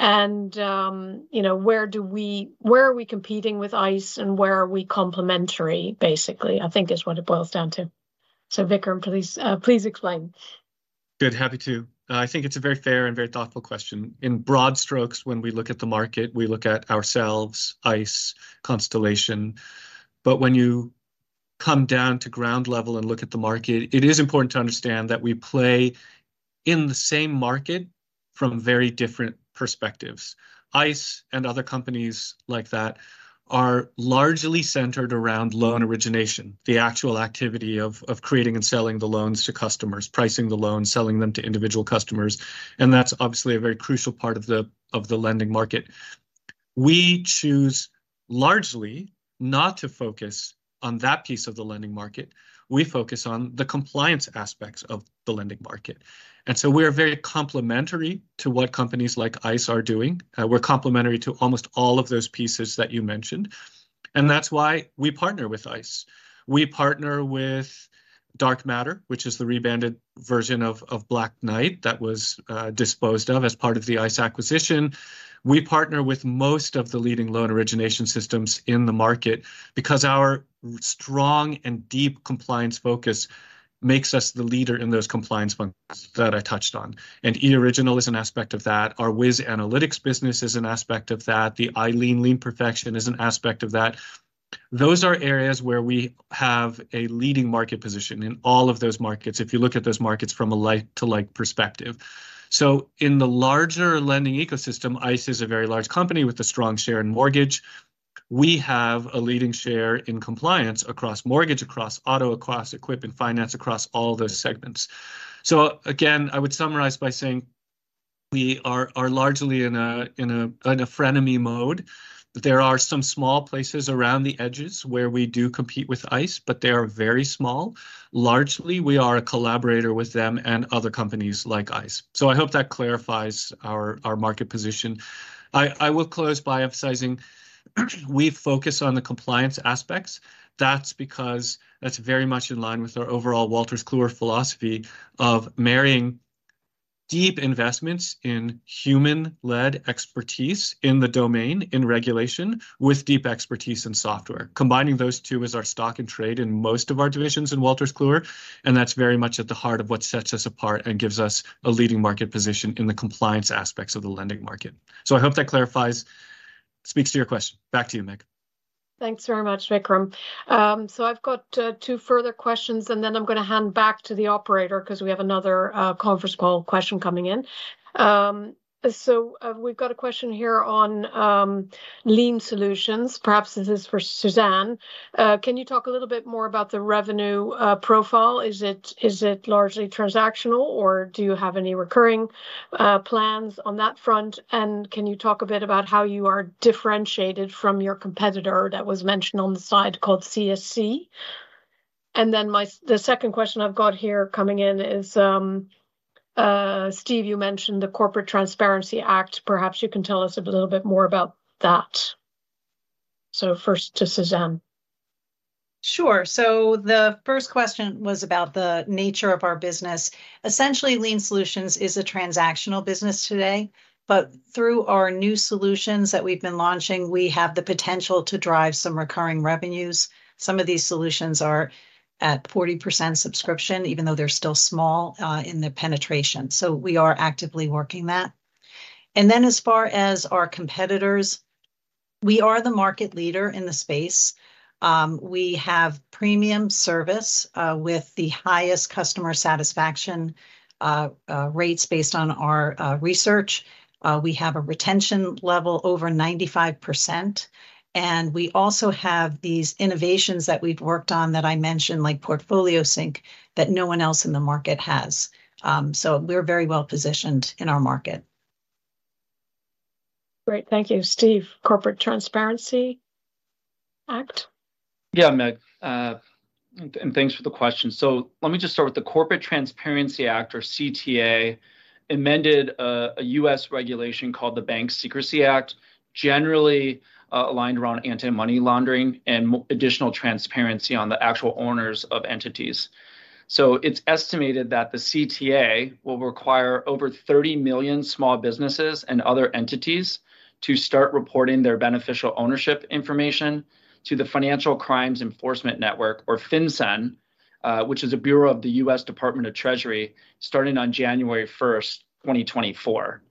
You know, where are we competing with ICE, and where are we complementary? Basically, I think is what it boils down to. So, Vikram, please explain. Good. Happy to. I think it's a very fair and very thoughtful question. In broad strokes, when we look at the market, we look at ourselves, ICE, Constellation. But when you come down to ground level and look at the market, it is important to understand that we play in the same market from very different perspectives. ICE and other companies like that are largely centered around loan origination, the actual activity of creating and selling the loans to customers, pricing the loans, selling them to individual customers, and that's obviously a very crucial part of the lending market. We choose largely not to focus on that piece of the lending market. We focus on the compliance aspects of the lending market, and so we are very complementary to what companies like ICE are doing. We're complementary to almost all of those pieces that you mentioned, and that's why we partner with ICE. We partner with Dark Matter, which is the rebranded version of Black Knight that was disposed of as part of the ICE acquisition. We partner with most of the leading loan origination systems in the market because our strong and deep compliance focus makes us the leader in those compliance points that I touched on. And eOriginal is an aspect of that. Our Wiz Analytics business is an aspect of that. The iLien Lien Perfection is an aspect of that. Those are areas where we have a leading market position in all of those markets, if you look at those markets from a like-to-like perspective. So in the larger lending ecosystem, ICE is a very large company with a strong share in mortgage. We have a leading share in compliance across mortgage, across auto, across equipment finance, across all those segments. So again, I would summarize by saying we are largely in a frenemy mode, but there are some small places around the edges where we do compete with ICE, but they are very small. Largely, we are a collaborator with them and other companies like ICE. So I hope that clarifies our market position. I will close by emphasizing, we focus on the compliance aspects. That's because that's very much in line with our overall Wolters Kluwer philosophy of marrying deep investments in human-led expertise in the domain, in regulation, with deep expertise in software. Combining those two is our stock and trade in most of our divisions in Wolters Kluwer, and that's very much at the heart of what sets us apart and gives us a leading market position in the compliance aspects of the lending market. I hope that clarifies, speaks to your question. Back to you, Meg. Thanks very much, Vikram. So I've got two further questions, and then I'm gonna hand back to the operator because we have another conference call question coming in. We've got a question here on Lien Solutions. Perhaps this is for Suzanne. Can you talk a little bit more about the revenue profile? Is it largely transactional, or do you have any recurring plans on that front? And can you talk a bit about how you are differentiated from your competitor that was mentioned on the side called CSC? And then the second question I've got here coming in is, Steve, you mentioned the Corporate Transparency Act. Perhaps you can tell us a little bit more about that. So first to Suzanne. Sure. So the first question was about the nature of our business. Essentially, Lien Solutions is a transactional business today, but through our new solutions that we've been launching, we have the potential to drive some recurring revenues. Some of these solutions are at 40% subscription, even though they're still small in the penetration, so we are actively working that. And then, as far as our competitors, we are the market leader in the space. We have premium service with the highest customer satisfaction rates based on our research. We have a retention level over 95%, and we also have these innovations that we've worked on that I mentioned, like Portfolio Sync, that no one else in the market has. So we're very well-positioned in our market. Great. Thank you. Steve, Corporate Transparency Act? Yeah, Meg, and thanks for the question. So let me just start with the Corporate Transparency Act, or CTA, amended a U.S. regulation called the Bank Secrecy Act, generally aligned around anti-money laundering and additional transparency on the actual owners of entities. So it's estimated that the CTA will require over 30 million small businesses and other entities to start reporting their beneficial ownership information to the Financial Crimes Enforcement Network, or FinCEN, which is a bureau of the U.S. Department of the Treasury, starting on January 1st, 2024.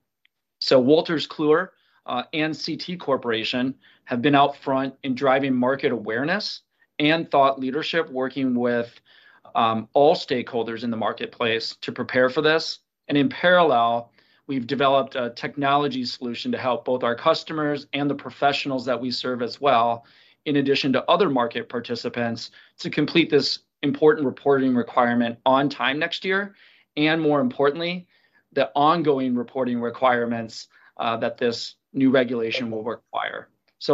So Wolters Kluwer and CT Corporation have been out front in driving market awareness and thought leadership, working with all stakeholders in the marketplace to prepare for this. In parallel, we've developed a technology solution to help both our customers and the professionals that we serve as well, in addition to other market participants, to complete this important reporting requirement on time next year, and more importantly, the ongoing reporting requirements, that this new regulation will require.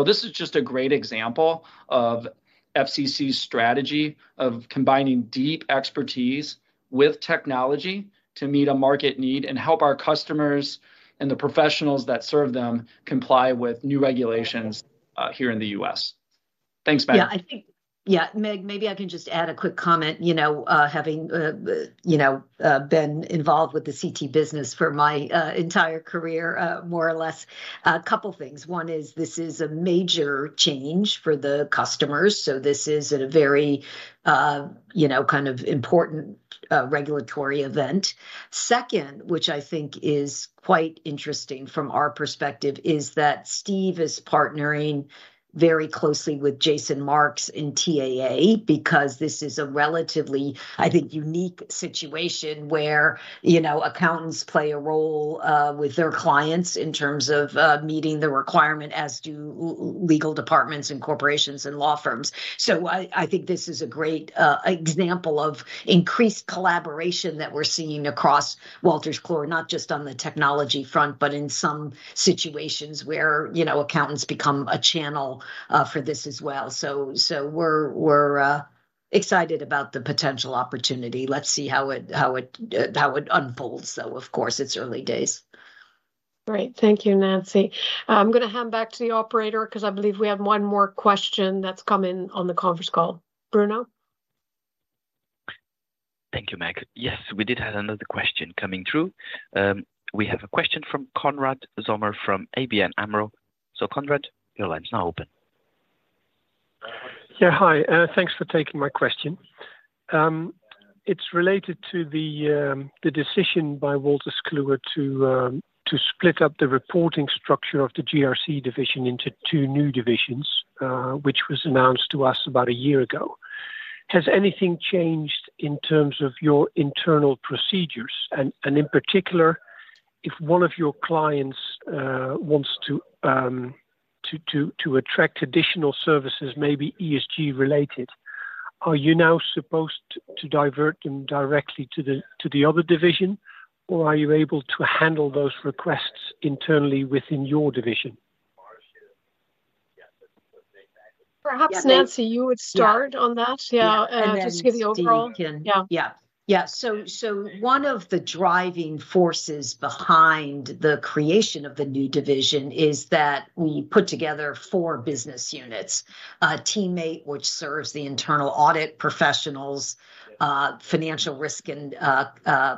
This is just a great example of FCC's strategy of combining deep expertise with technology to meet a market need and help our customers and the professionals that serve them comply with new regulations, here in the U.S. Thanks, Meg. Yeah, I think yeah, Meg, maybe I can just add a quick comment, you know, having, you know, been involved with the CT business for my entire career, more or less. A couple things. One is this is a major change for the customers, so this is a very, you know, kind of important regulatory event. Second, which I think is quite interesting from our perspective, is that Steve is partnering very closely with Jason Marx in TAA, because this is a relatively, I think, unique situation where, you know, accountants play a role with their clients in terms of meeting the requirement, as do legal departments and corporations and law firms. So I think this is a great example of increased collaboration that we're seeing across Wolters Kluwer, not just on the technology front, but in some situations where, you know, accountants become a channel for this as well. So we're excited about the potential opportunity. Let's see how it unfolds, though, of course, it's early days. Great. Thank you, Nancy. I'm gonna hand back to the operator 'cause I believe we have one more question that's come in on the conference call. Bruno? Thank you, Meg. Yes, we did have another question coming through. We have a question from Konrad Zomer from ABN AMRO. So Konrad, your line's now open. Yeah, hi, thanks for taking my question. It's related to the decision by Wolters Kluwer to split up the reporting structure of the GRC division into two new divisions, which was announced to us about a year ago. Has anything changed in terms of your internal procedures? And in particular, if one of your clients wants to attract additional services, maybe ESG related, are you now supposed to divert them directly to the other division, or are you able to handle those requests internally within your division? Perhaps, Nancy, you would start on that? Yeah. Yeah, just to give the overall- And then Steve can- Yeah. Yeah. Yeah, so, so one of the driving forces behind the creation of the new division is that we put together four business units. TeamMate, which serves the internal audit professionals, financial risk and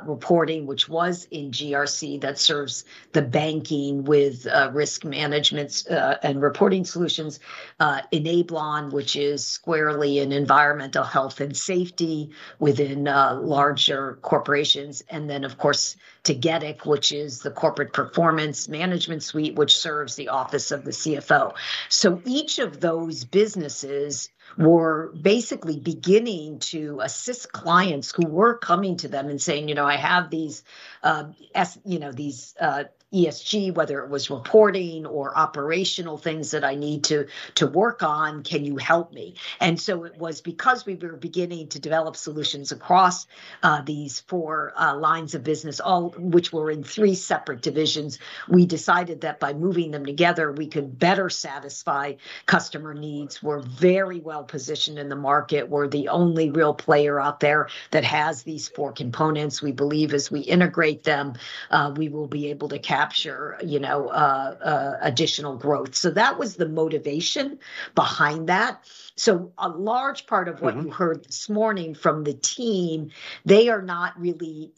reporting, which was in GRC, that serves the banking with risk managements and reporting solutions. Enablon, which is squarely in environmental health and safety within larger corporations. And then, of course, CCH Tagetik, which is the corporate performance management suite, which serves the office of the CFO. So each of those businesses were basically beginning to assist clients who were coming to them and saying, "You know, I have these, you know, these ESG, whether it was reporting or operational things that I need to work on. Can you help me?" And so it was because we were beginning to develop solutions across these four lines of business, all which were in three separate divisions. We decided that by moving them together, we could better satisfy customer needs. We're very well positioned in the market. We're the only real player out there that has these four components. We believe as we integrate them, we will be able to capture, you know, additional growth. So that was the motivation behind that. So a large part of what- Mm-hmm You heard this morning from the team, they are not really,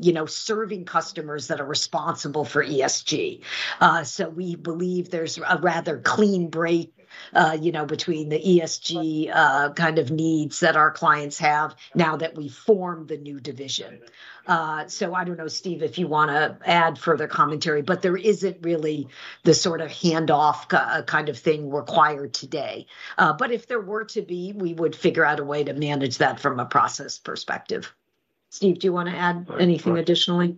you know, serving customers that are responsible for ESG. So we believe there's a rather clean break, you know, between the ESG, kind of needs that our clients have now that we've formed the new division. So I don't know, Steve, if you wanna add further commentary, but there isn't really the sort of handoff kind of thing required today. But if there were to be, we would figure out a way to manage that from a process perspective. Steve, do you wanna add anything additionally?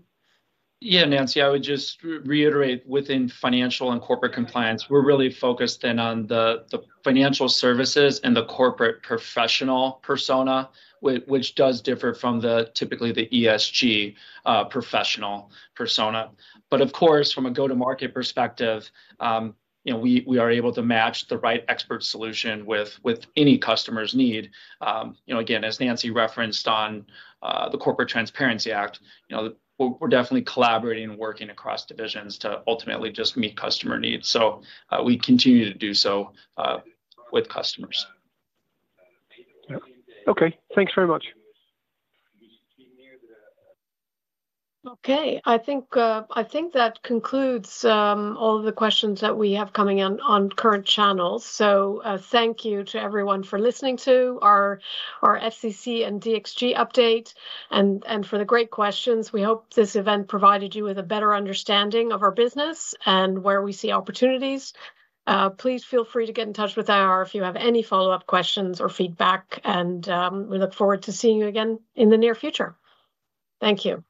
Yeah, Nancy, I would just reiterate within financial and corporate compliance, we're really focused in on the financial services and the corporate professional persona, which does differ from the typical ESG professional persona. But of course, from a go-to-market perspective, you know, we are able to match the right expert solution with any customer's need. You know, again, as Nancy referenced on the Corporate Transparency Act, you know, we're definitely collaborating and working across divisions to ultimately just meet customer needs. So, we continue to do so with customers. Okay. Thanks very much. Okay, I think that concludes all of the questions that we have coming in on current channels. So, thank you to everyone for listening to our FCC and ESG update, and for the great questions. We hope this event provided you with a better understanding of our business and where we see opportunities. Please feel free to get in touch with IR if you have any follow-up questions or feedback, and we look forward to seeing you again in the near future. Thank you.